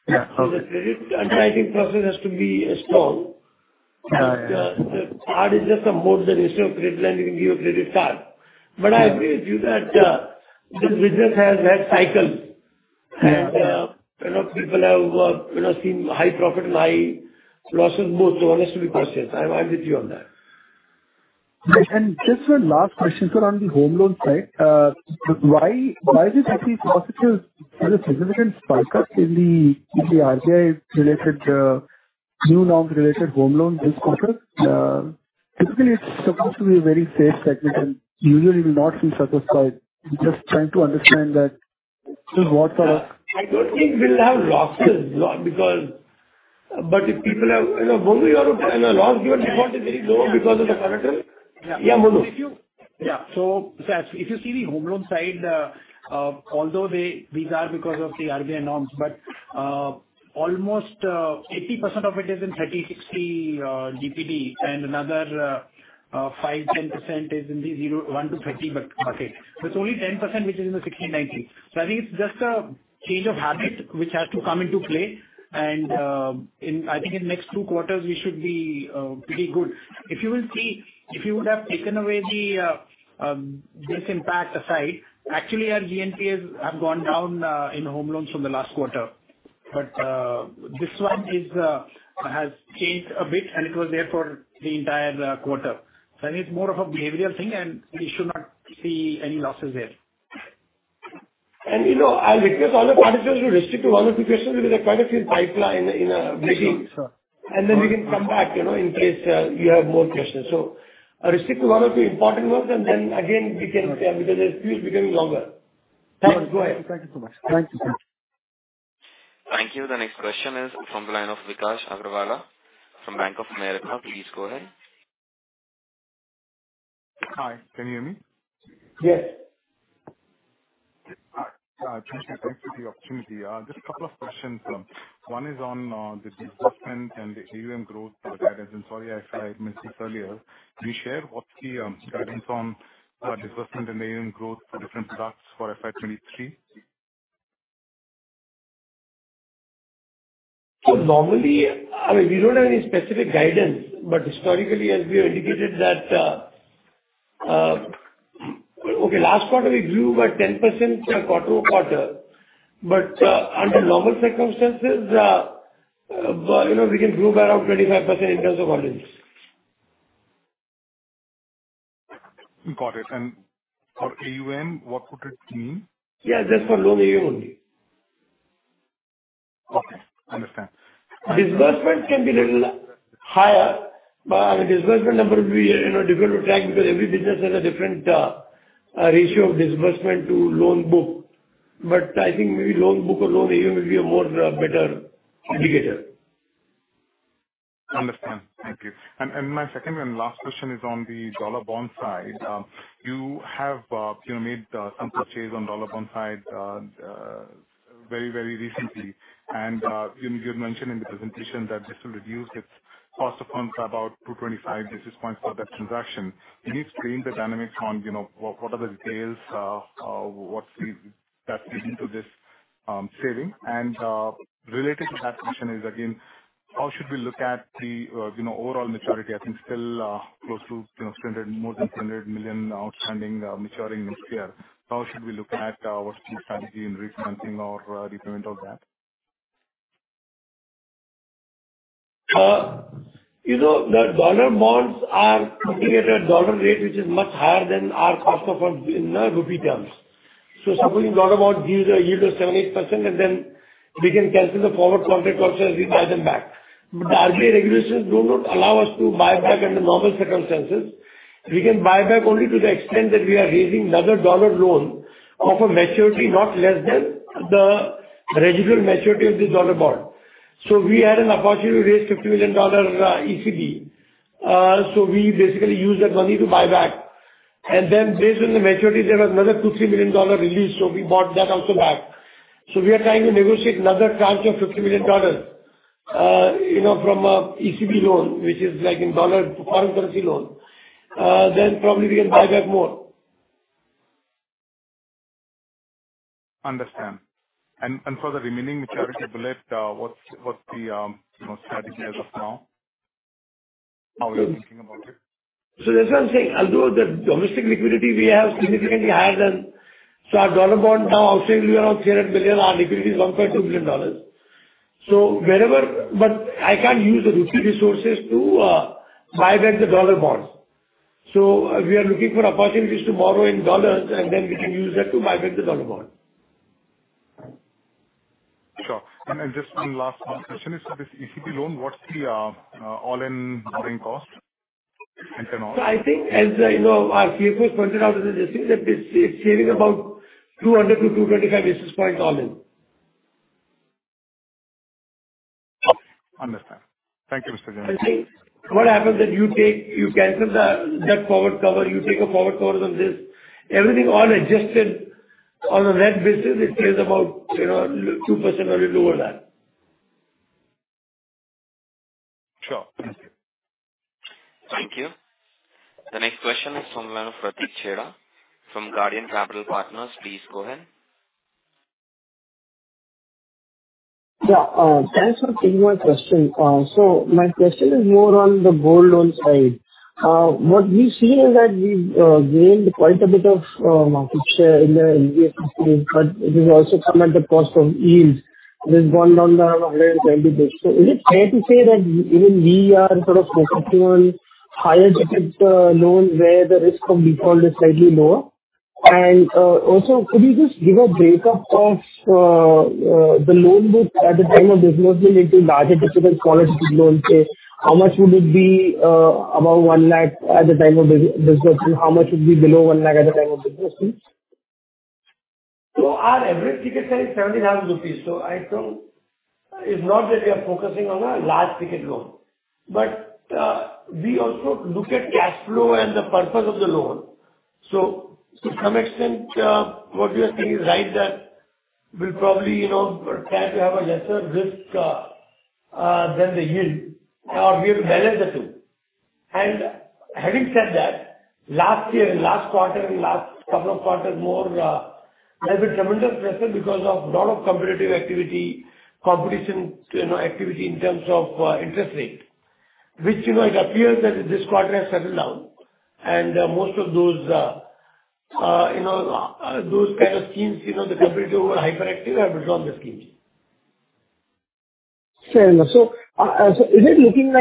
Yeah. Okay.
The credit underwriting process has to be strong.
Yeah.
The card is just a mode that instead of credit line, you can give a credit card.
Yeah.
I agree with you that this business has had cycles.
Yeah.
You know, people have you know seen high profit and high losses both, so one has to be cautious. I'm with you on that.
Right. Just one last question, sir, on the home loan side. Why is it that we saw such a significant spike up in the RGI related new norms related home loan this quarter? Typically it's supposed to be a very safe segment and usually will not see such a spike. I'm just trying to understand what sort of.
I don't think we'll have losses, but if people have, you know, normally you have, you know, loss given default is very low because of the collateral.
Yeah.
Yeah. Monu. If you-
Yeah. If you see the home loan side, although these are because of the RBI norms, but almost 80% of it is in 30-60 DPD and another 5%-10% is in the 0-30 bucket. It's only 10%, which is in the 60-90. I think it's just a change of habit which has to come into play and, I think, in the next two quarters we should be pretty good. If you will see, if you would have taken away this impact aside, actually our GNPA have gone down in home loans from the last quarter. This one has changed a bit and it was there for the entire quarter. I think it's more of a behavioral thing and we should not see any losses there.
You know, I'll request all the participants to restrict to one or two questions because there are quite a few people online waiting.
Sure, sure.
Then we can come back, you know, in case you have more questions. Restrict to one or two important ones and then again we can, yeah, because this queue is becoming longer.
Yeah.
Tejas, go ahead.
Thank you so much. Thank you, sir.
Thank you. The next question is from the line of Vikash Agarwalla from Bank of America. Please go ahead.
Hi. Can you hear me?
Yes.
Trish, thanks for the opportunity. Just a couple of questions. One is on the disbursement and the AUM growth guidance. Sorry if I missed this earlier. Can you share what's the guidance on disbursement and AUM growth for different products for FY 2023?
Normally, I mean, we don't have any specific guidance, but historically as we have indicated that. Okay, last quarter we grew by 10% quarter-over-quarter. Under normal circumstances, you know, we can grow by around 25% in terms of volumes.
Got it. For AUM, what would it mean?
Yeah, just for loan AUM only.
Okay. Understand.
Disbursement can be little higher, but I mean disbursement number will be, you know, difficult to track because every business has a different ratio of disbursement to loan book. I think maybe loan book or loan AUM will be a more better indicator.
Understand. Thank you. My second and last question is on the dollar bond side. You have, you know, made some purchase on dollar bond side very recently. You had mentioned in the presentation that this will reduce its cost of funds by about 225 basis points for that transaction. Can you explain the dynamics on, you know, what are the details, what's that that's leading to this saving? Related to that question is again, how should we look at the, you know, overall maturity? I think still close to, you know, stand at more than $100 million outstanding maturing next year. How should we look at, what's your strategy in refinancing or repayment of that?
You know, the dollar bonds are coming at a dollar rate, which is much higher than our cost of funds in rupee terms. Supposing dollar bond gives a yield of 7%-8% and then we can cancel the forward contract also as we buy them back. RBI regulations do not allow us to buy back under normal circumstances. We can buy back only to the extent that we are raising another dollar loan of a maturity not less than the residual maturity of the dollar bond. We had an opportunity to raise $50 million ECB. We basically used that money to buy back. Then based on the maturity, there was another $2 million-$3 million release. We bought that also back. We are trying to negotiate another tranche of $50 million, you know, from a ECB loan, which is like in dollar, foreign currency loan. Probably we can buy back more.
Understand. For the remaining maturity bullet, what's the, you know, strategy as of now? How are you thinking about it?
That's why I'm saying although the domestic liquidity we have significantly higher than. Our dollar bond now outstanding is around $300 million. Our liquidity is $1.2 billion. But I can't use the rupee resources to buy back the dollar bonds. We are looking for opportunities to borrow in dollars, and then we can use that to buy back the dollar bond.
Sure. Just one last question is, so this ECB loan, what's the all-in borrowing cost and tenor?
I think as you know, our CFO has pointed out in the results that this is saving about 200 basis points-225 basis points all in.
Understand. Thank you, Mr. Jain.
See, what happens is you cancel that forward cover, you take a forward cover on this. Everything all adjusted on a net basis, it saves about, you know, 2% or a little over that.
Sure. Thank you.
Thank you. The next question is from the line of Pratik Chheda from Guardian Capital Partners. Please go ahead.
Thanks for taking my question. My question is more on the gold loan side. What we've seen is that we've gained quite a bit of market share in the NBFC space, but it has also come at the cost of yields. This has gone down to around 120 basis. Is it fair to say that even we are sort of focusing on higher ticket loans where the risk of default is slightly lower? Also could you just give a breakup of the loan book at the time of disbursement into larger ticket and smaller ticket loans say? How much would it be above 1 lakh at the time of disbursement? How much would be below 1 lakh at the time of disbursement?
Our average ticket size is 75 rupees. I don't. It's not that we are focusing on a large ticket loan. We also look at cash flow and the purpose of the loan. To some extent, what you are saying is right, that we'll probably, you know, try to have a lesser risk than the yield, or we have to balance the two. Having said that, last year, in last quarter, in last couple of quarters more, there's been tremendous pressure because of lot of competitive activity, competition, you know, activity in terms of, interest rate, which, you know, it appears that this quarter has settled down. Most of those, you know, those kind of schemes, you know, the competitor who were hyperactive have withdrawn their schemes.
Fair enough. Are you thinking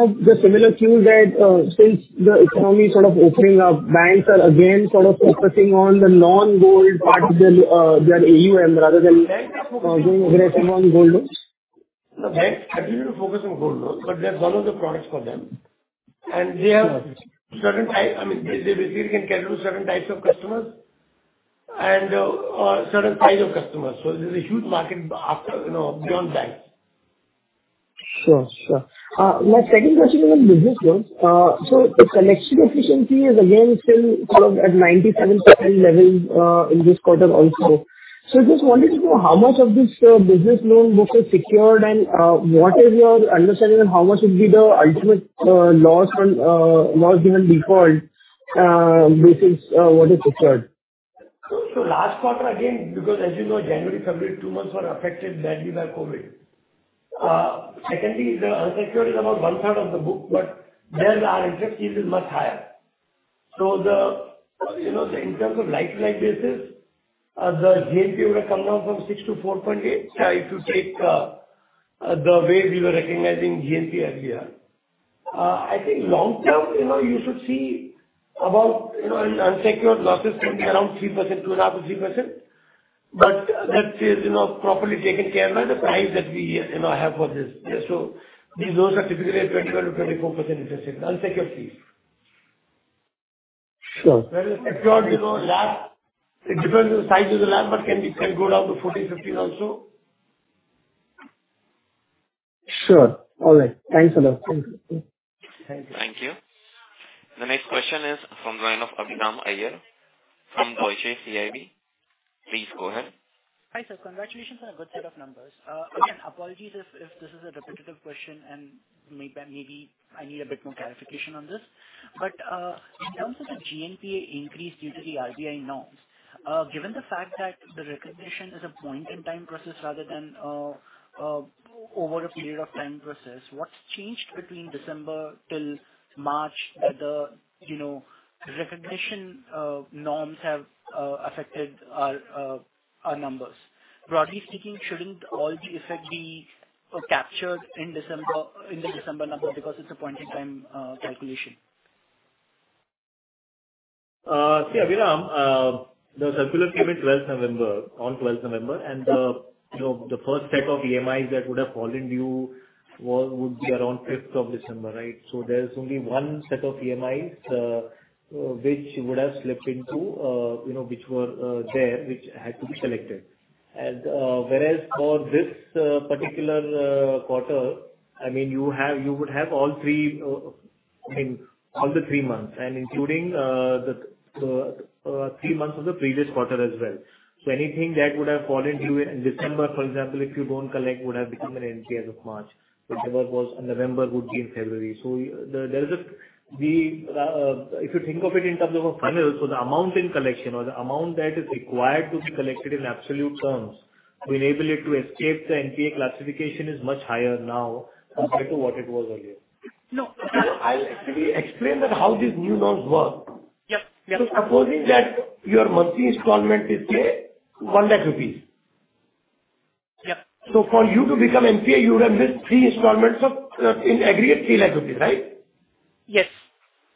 of the similar tune that, since the economy is sort of opening up, banks are again sort of focusing on the non-gold part of their AUM rather than?
Banks are focusing.
Going aggressive on gold loans?
No. Banks continue to focus on gold loans, but they are one of the products for them.
Sure.
They have certain type, I mean, they basically can cater to certain types of customers and certain size of customers. This is a huge market after, you know, beyond banks.
My second question is on business loans. Its collection efficiency is again still sort of at 97% levels in this quarter also. I just wanted to know how much of this business loan book is secured, and what is your understanding on how much would be the ultimate loss on loans given default versus what is secured?
Last quarter, again, because as you know, January, February, two months were affected badly by COVID. Secondly, the unsecured is about one-third of the book, but there our interest rates is much higher. You know, in terms of like-for-like basis, the GNPA would have come down from 6%-4.8%, if you take the way we were recognizing GNPA earlier. I think long term, you know, you should see about, you know, unsecured losses could be around 3%, 2.5%-3%. That is, you know, properly taken care by the price that we, you know, have for this. Yeah, these loans are typically at 24%-24% interest rate, the unsecured loans.
Sure.
Whereas secured, you know, lag. It depends on the size of the lag, but can go down to 14, 15 also.
Sure. All right. Thanks a lot. Thank you.
Thank you.
Thank you. The next question is from the line of Abhinav Iyer from Deutsche CIB. Please go ahead.
Hi, sir. Congratulations on a good set of numbers. Again, apologies if this is a repetitive question, and maybe I need a bit more clarification on this. In terms of the GNPA increase due to the RBI norms, given the fact that the recognition is a point-in-time process rather than over a period of time process, what's changed between December till March that the recognition norms have affected our numbers? Broadly speaking, shouldn't all the effect be captured in December, in the December number because it's a point-in-time calculation?
See, Abhinav, the circular came in twelfth November.
Yes.
The first set of EMIs that would have fallen due would be around fifth of December, right? There's only one set of EMIs which had to be selected. Whereas for this particular quarter, I mean, you would have all three months, including the three months of the previous quarter as well. Anything that would have fallen due in December, for example, if you don't collect, would have become an NPA as of March. Whatever was in November would be in February. There is a If you think of it in terms of a funnel, so the amount in collection or the amount that is required to be collected in absolute terms to enable it to escape the NPA classification is much higher now compared to what it was earlier.
No.
I'll actually explain how these new norms work.
Yep. Yep.
Supposing that your monthly installment is, say, 1 lakh rupees.
Yep.
For you to become NPA, you would have missed three installments of, in aggregate, 3 lakh rupees, right?
Yes.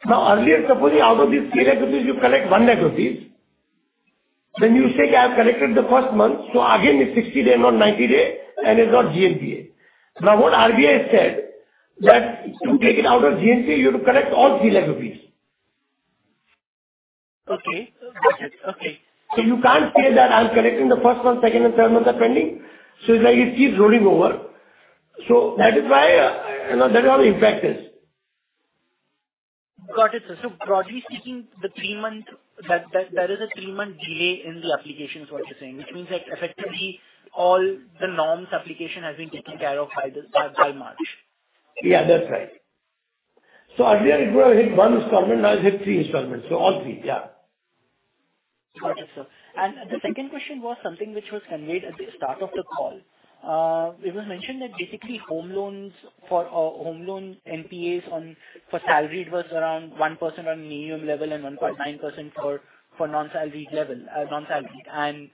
Earlier, supposing out of these 3 lakh rupees you collect 1 lakh rupees, then you say, "I have collected the first month," so again it's 60-day, not 90-day, and it's not GNPA. What RBI has said that to take it out of GNPA you have to collect all 3 lakh rupees.
Okay. Got it. Okay.
You can't say that I'm collecting the first month, second and third month are pending. It's like it keeps rolling over. That is why, you know, that is how the impact is.
Got it, sir. Broadly speaking, that is a three-month delay in the applications, what you're saying. Which means that effectively all the norms application has been taken care of by March.
Yeah, that's right. Earlier you would have hit one installment, now you hit three installments. All three, yeah.
Got it, sir. The second question was something which was conveyed at the start of the call. It was mentioned that basically home loan NPAs for salaried was around 1% on medium level and 1.9% for non-salaried level, non-salaried.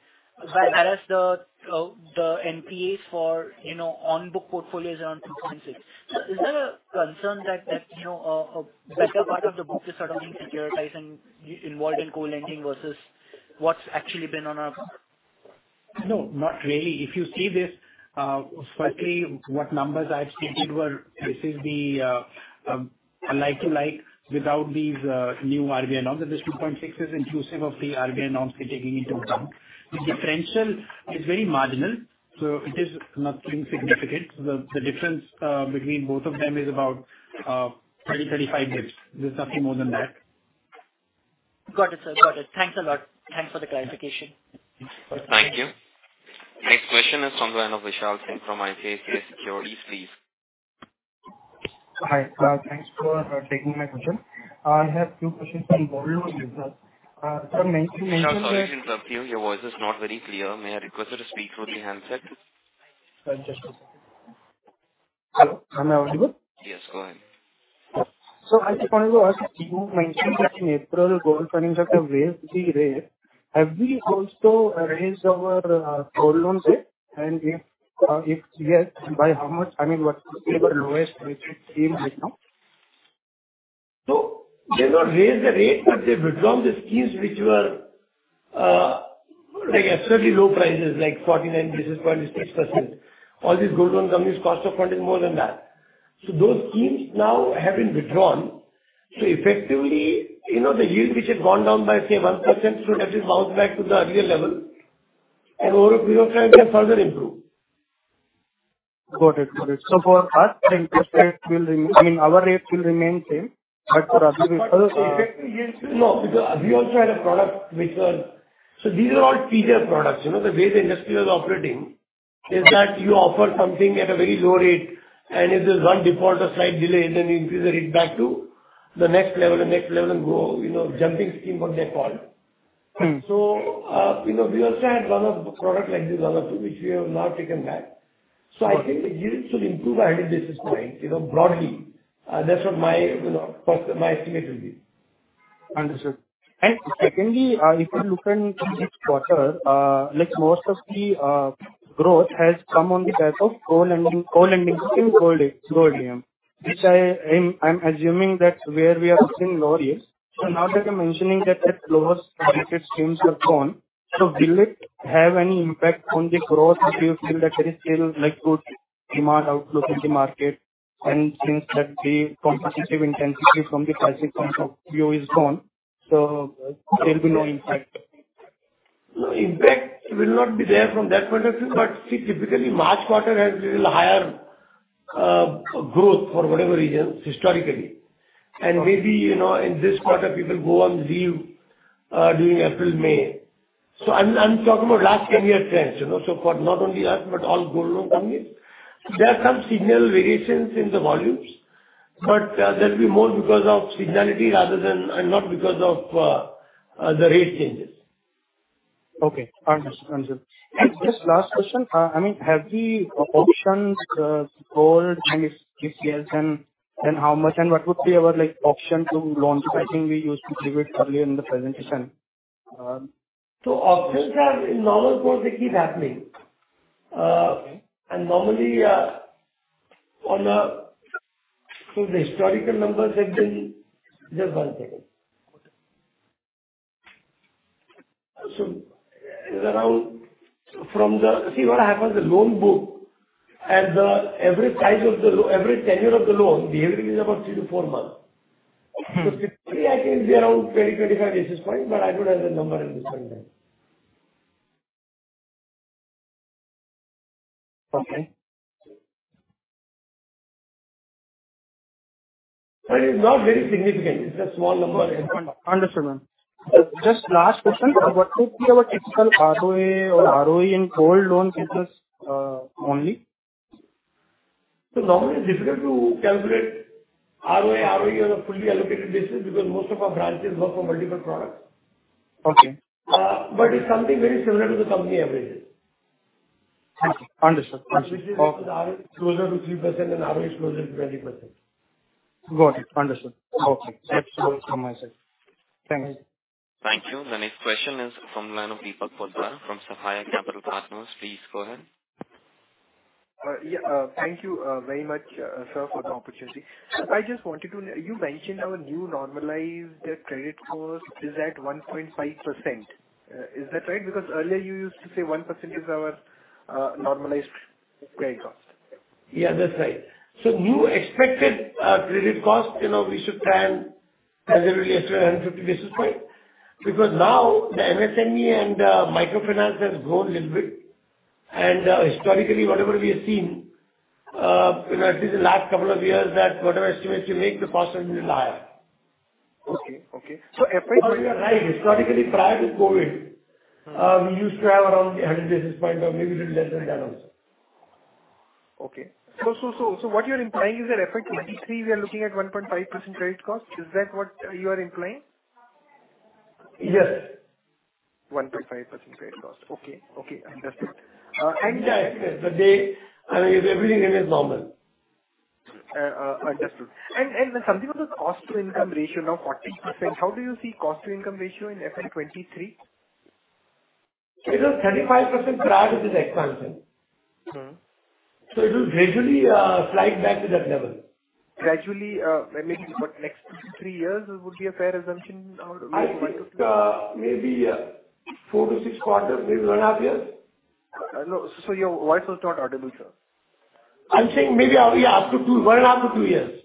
Whereas the NPAs for, you know, on-book portfolios are on 2.6%. Is there a concern that, you know, a better part of the book is suddenly securitizing involved in co-lending versus what's actually been on our...
No, not really. If you see this, slightly what numbers I had stated were this is the, like to like without these, new RBI norms, that this 2.6 is inclusive of the RBI norms we're taking into account. The differential is very marginal, so it is nothing significant. The difference between both of them is about, 20 basis points-35 basis points. There's nothing more than that.
Got it, sir. Got it. Thanks a lot. Thanks for the clarification.
Thank you. Next question is from the line of Vishal Singh from ICICI Securities, please.
Hi. Thanks for taking my question. I have two questions on volume and interest. Sir, main
Vishal, sorry to interrupt you. Your voice is not very clear. May I request you to speak through the handset?
Sure. Just a second. Hello. Am I audible?
Yes, go ahead.
I just wanted to ask, you mentioned that in April gold financing have raised the rate. Have we also raised our gold loans rate? If yes, by how much? I mean, what is the lowest rate it seems right now?
They've not raised the rate, but they've withdrawn the schemes which were like extremely low prices, like 49 basis point, 50%. All these gold loan companies cost of funding more than that. Those schemes now have been withdrawn. Effectively, you know, the yield which had gone down by, say, 1% should at least bounce back to the earlier level. Overall, we hope that it can further improve.
Got it. For us, the interest rate will remain. I mean, our rate will remain same, but for other people,
No, because we also had a product. These are all teaser products. You know, the way the industry is operating is that you offer something at a very low rate, and if there's one default or slight delay, then you increase the rate back to the next level and next level and go, you know, jumping scheme or default. You know, we also had one of product like this, one or two, which we have now taken back.
Got it.
I think the yields should improve by 100 basis points, you know, broadly. That's what my, you know, per my estimate will be.
Understood. Secondly, if you look in this quarter, like, most of the growth has come on the back of gold lending, gold lending schemes, gold EMI, which I'm assuming that's where we have seen lower yields. Now that you're mentioning that the lowest credit schemes have gone, will it have any impact on the growth? Do you feel that there is still, like, good demand outlook in the market? Since the competitive intensity from the pricing point of view is gone, there'll be no impact.
No impact will not be there from that point of view. See, typically March quarter has little higher growth for whatever reasons historically.
Got it.
Maybe, you know, in this quarter people go on leave during April, May. I'm talking about last 10-year trends, you know. For not only us, but all gold loan companies. There are some seasonal variations in the volumes, but that'll be more because of seasonality rather than and not because of the rate changes.
Okay. Understood. Just last question, I mean, have we options, gold, and if yes, then how much and what would be our, like, option to launch? I think we used to give it earlier in the presentation.
Options are in normal course, they keep happening.
Okay.
The loan book has every size of every tenure of the loan. The average is about three to four months. Typically I think we are around 20-25 basis points, but I don't have the number at this point in time. Okay. It's not very significant. It's a small number.
Understood, ma'am. Just last question. What would be our typical ROA or ROE in gold loan business, only?
Normally it's difficult to calculate ROA, ROE on a fully allocated basis because most of our branches work for multiple products.
Okay.
It's something very similar to the company averages.
Thank you. Understood.
Which is ROA is closer to 3% and ROE is closer to 20%.
Got it. Understood. Okay. That's all from myself. Thanks.
Thank you. The next question is from the line of Deepak Kothari from Safal Capital Partners. Please go ahead.
Yeah. Thank you very much, sir, for the opportunity. You mentioned our new normalized credit cost is at 1.5%. Is that right? Because earlier you used to say 1% is our normalized credit cost.
Yeah, that's right. New expected credit cost, you know, we should plan at least 150 basis points. Because now the MSME and microfinance has grown a little bit. Historically, whatever we have seen, you know, at least the last couple of years, that whatever estimates you make, the cost will be little higher.
Okay. Every-
You are right. Historically, prior to COVID, we used to have around 100 basis points or maybe a little less than that also.
Okay. What you're implying is that effectively we are looking at 1.5% credit cost. Is that what you are implying?
Yes.
1.5% credit cost. Okay. Understood.
I mean, if everything remains normal.
Understood. Something about the cost-to-income ratio, now 40%, how do you see cost-to-income ratio in FY 2023?
It was 35% prior to this expansion. It will gradually slide back to that level.
Gradually, maybe next two to three years would be a fair assumption or maybe one or two?
I think, maybe, four to six quarters, maybe one and half years.
No. Your voice was not audible, sir.
I'm saying maybe a year. Up to two, one and half to two years.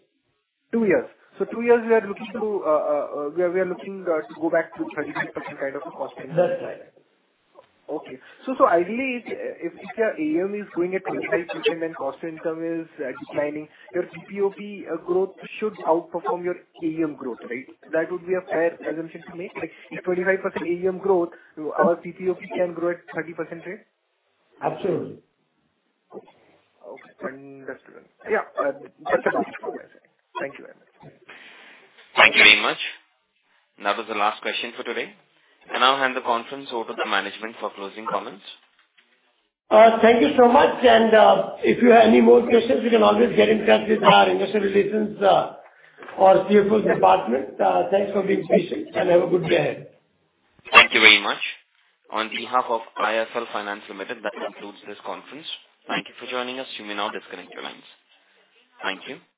Two years. Two years we are looking to go back to 35% kind of a cost-income ratio.
That's right.
Okay. Ideally if your AUM is growing at 25% and cost income is declining, your PPOP growth should outperform your AUM growth, right? That would be a fair assumption to make. Like if 25% AUM growth, our PPOP can grow at 30% rate.
Absolutely.
Okay. Understood.
Yeah.
That's it. Thank you very much.
Thank you very much. That was the last question for today. I now hand the conference over to the management for closing comments.
Thank you so much. If you have any more questions, you can always get in touch with our investor relations or CFO's department. Thanks for being patient, and have a good day ahead.
Thank you very much. On behalf of IIFL Finance Limited, that concludes this conference. Thank you for joining us. You may now disconnect your lines. Thank you.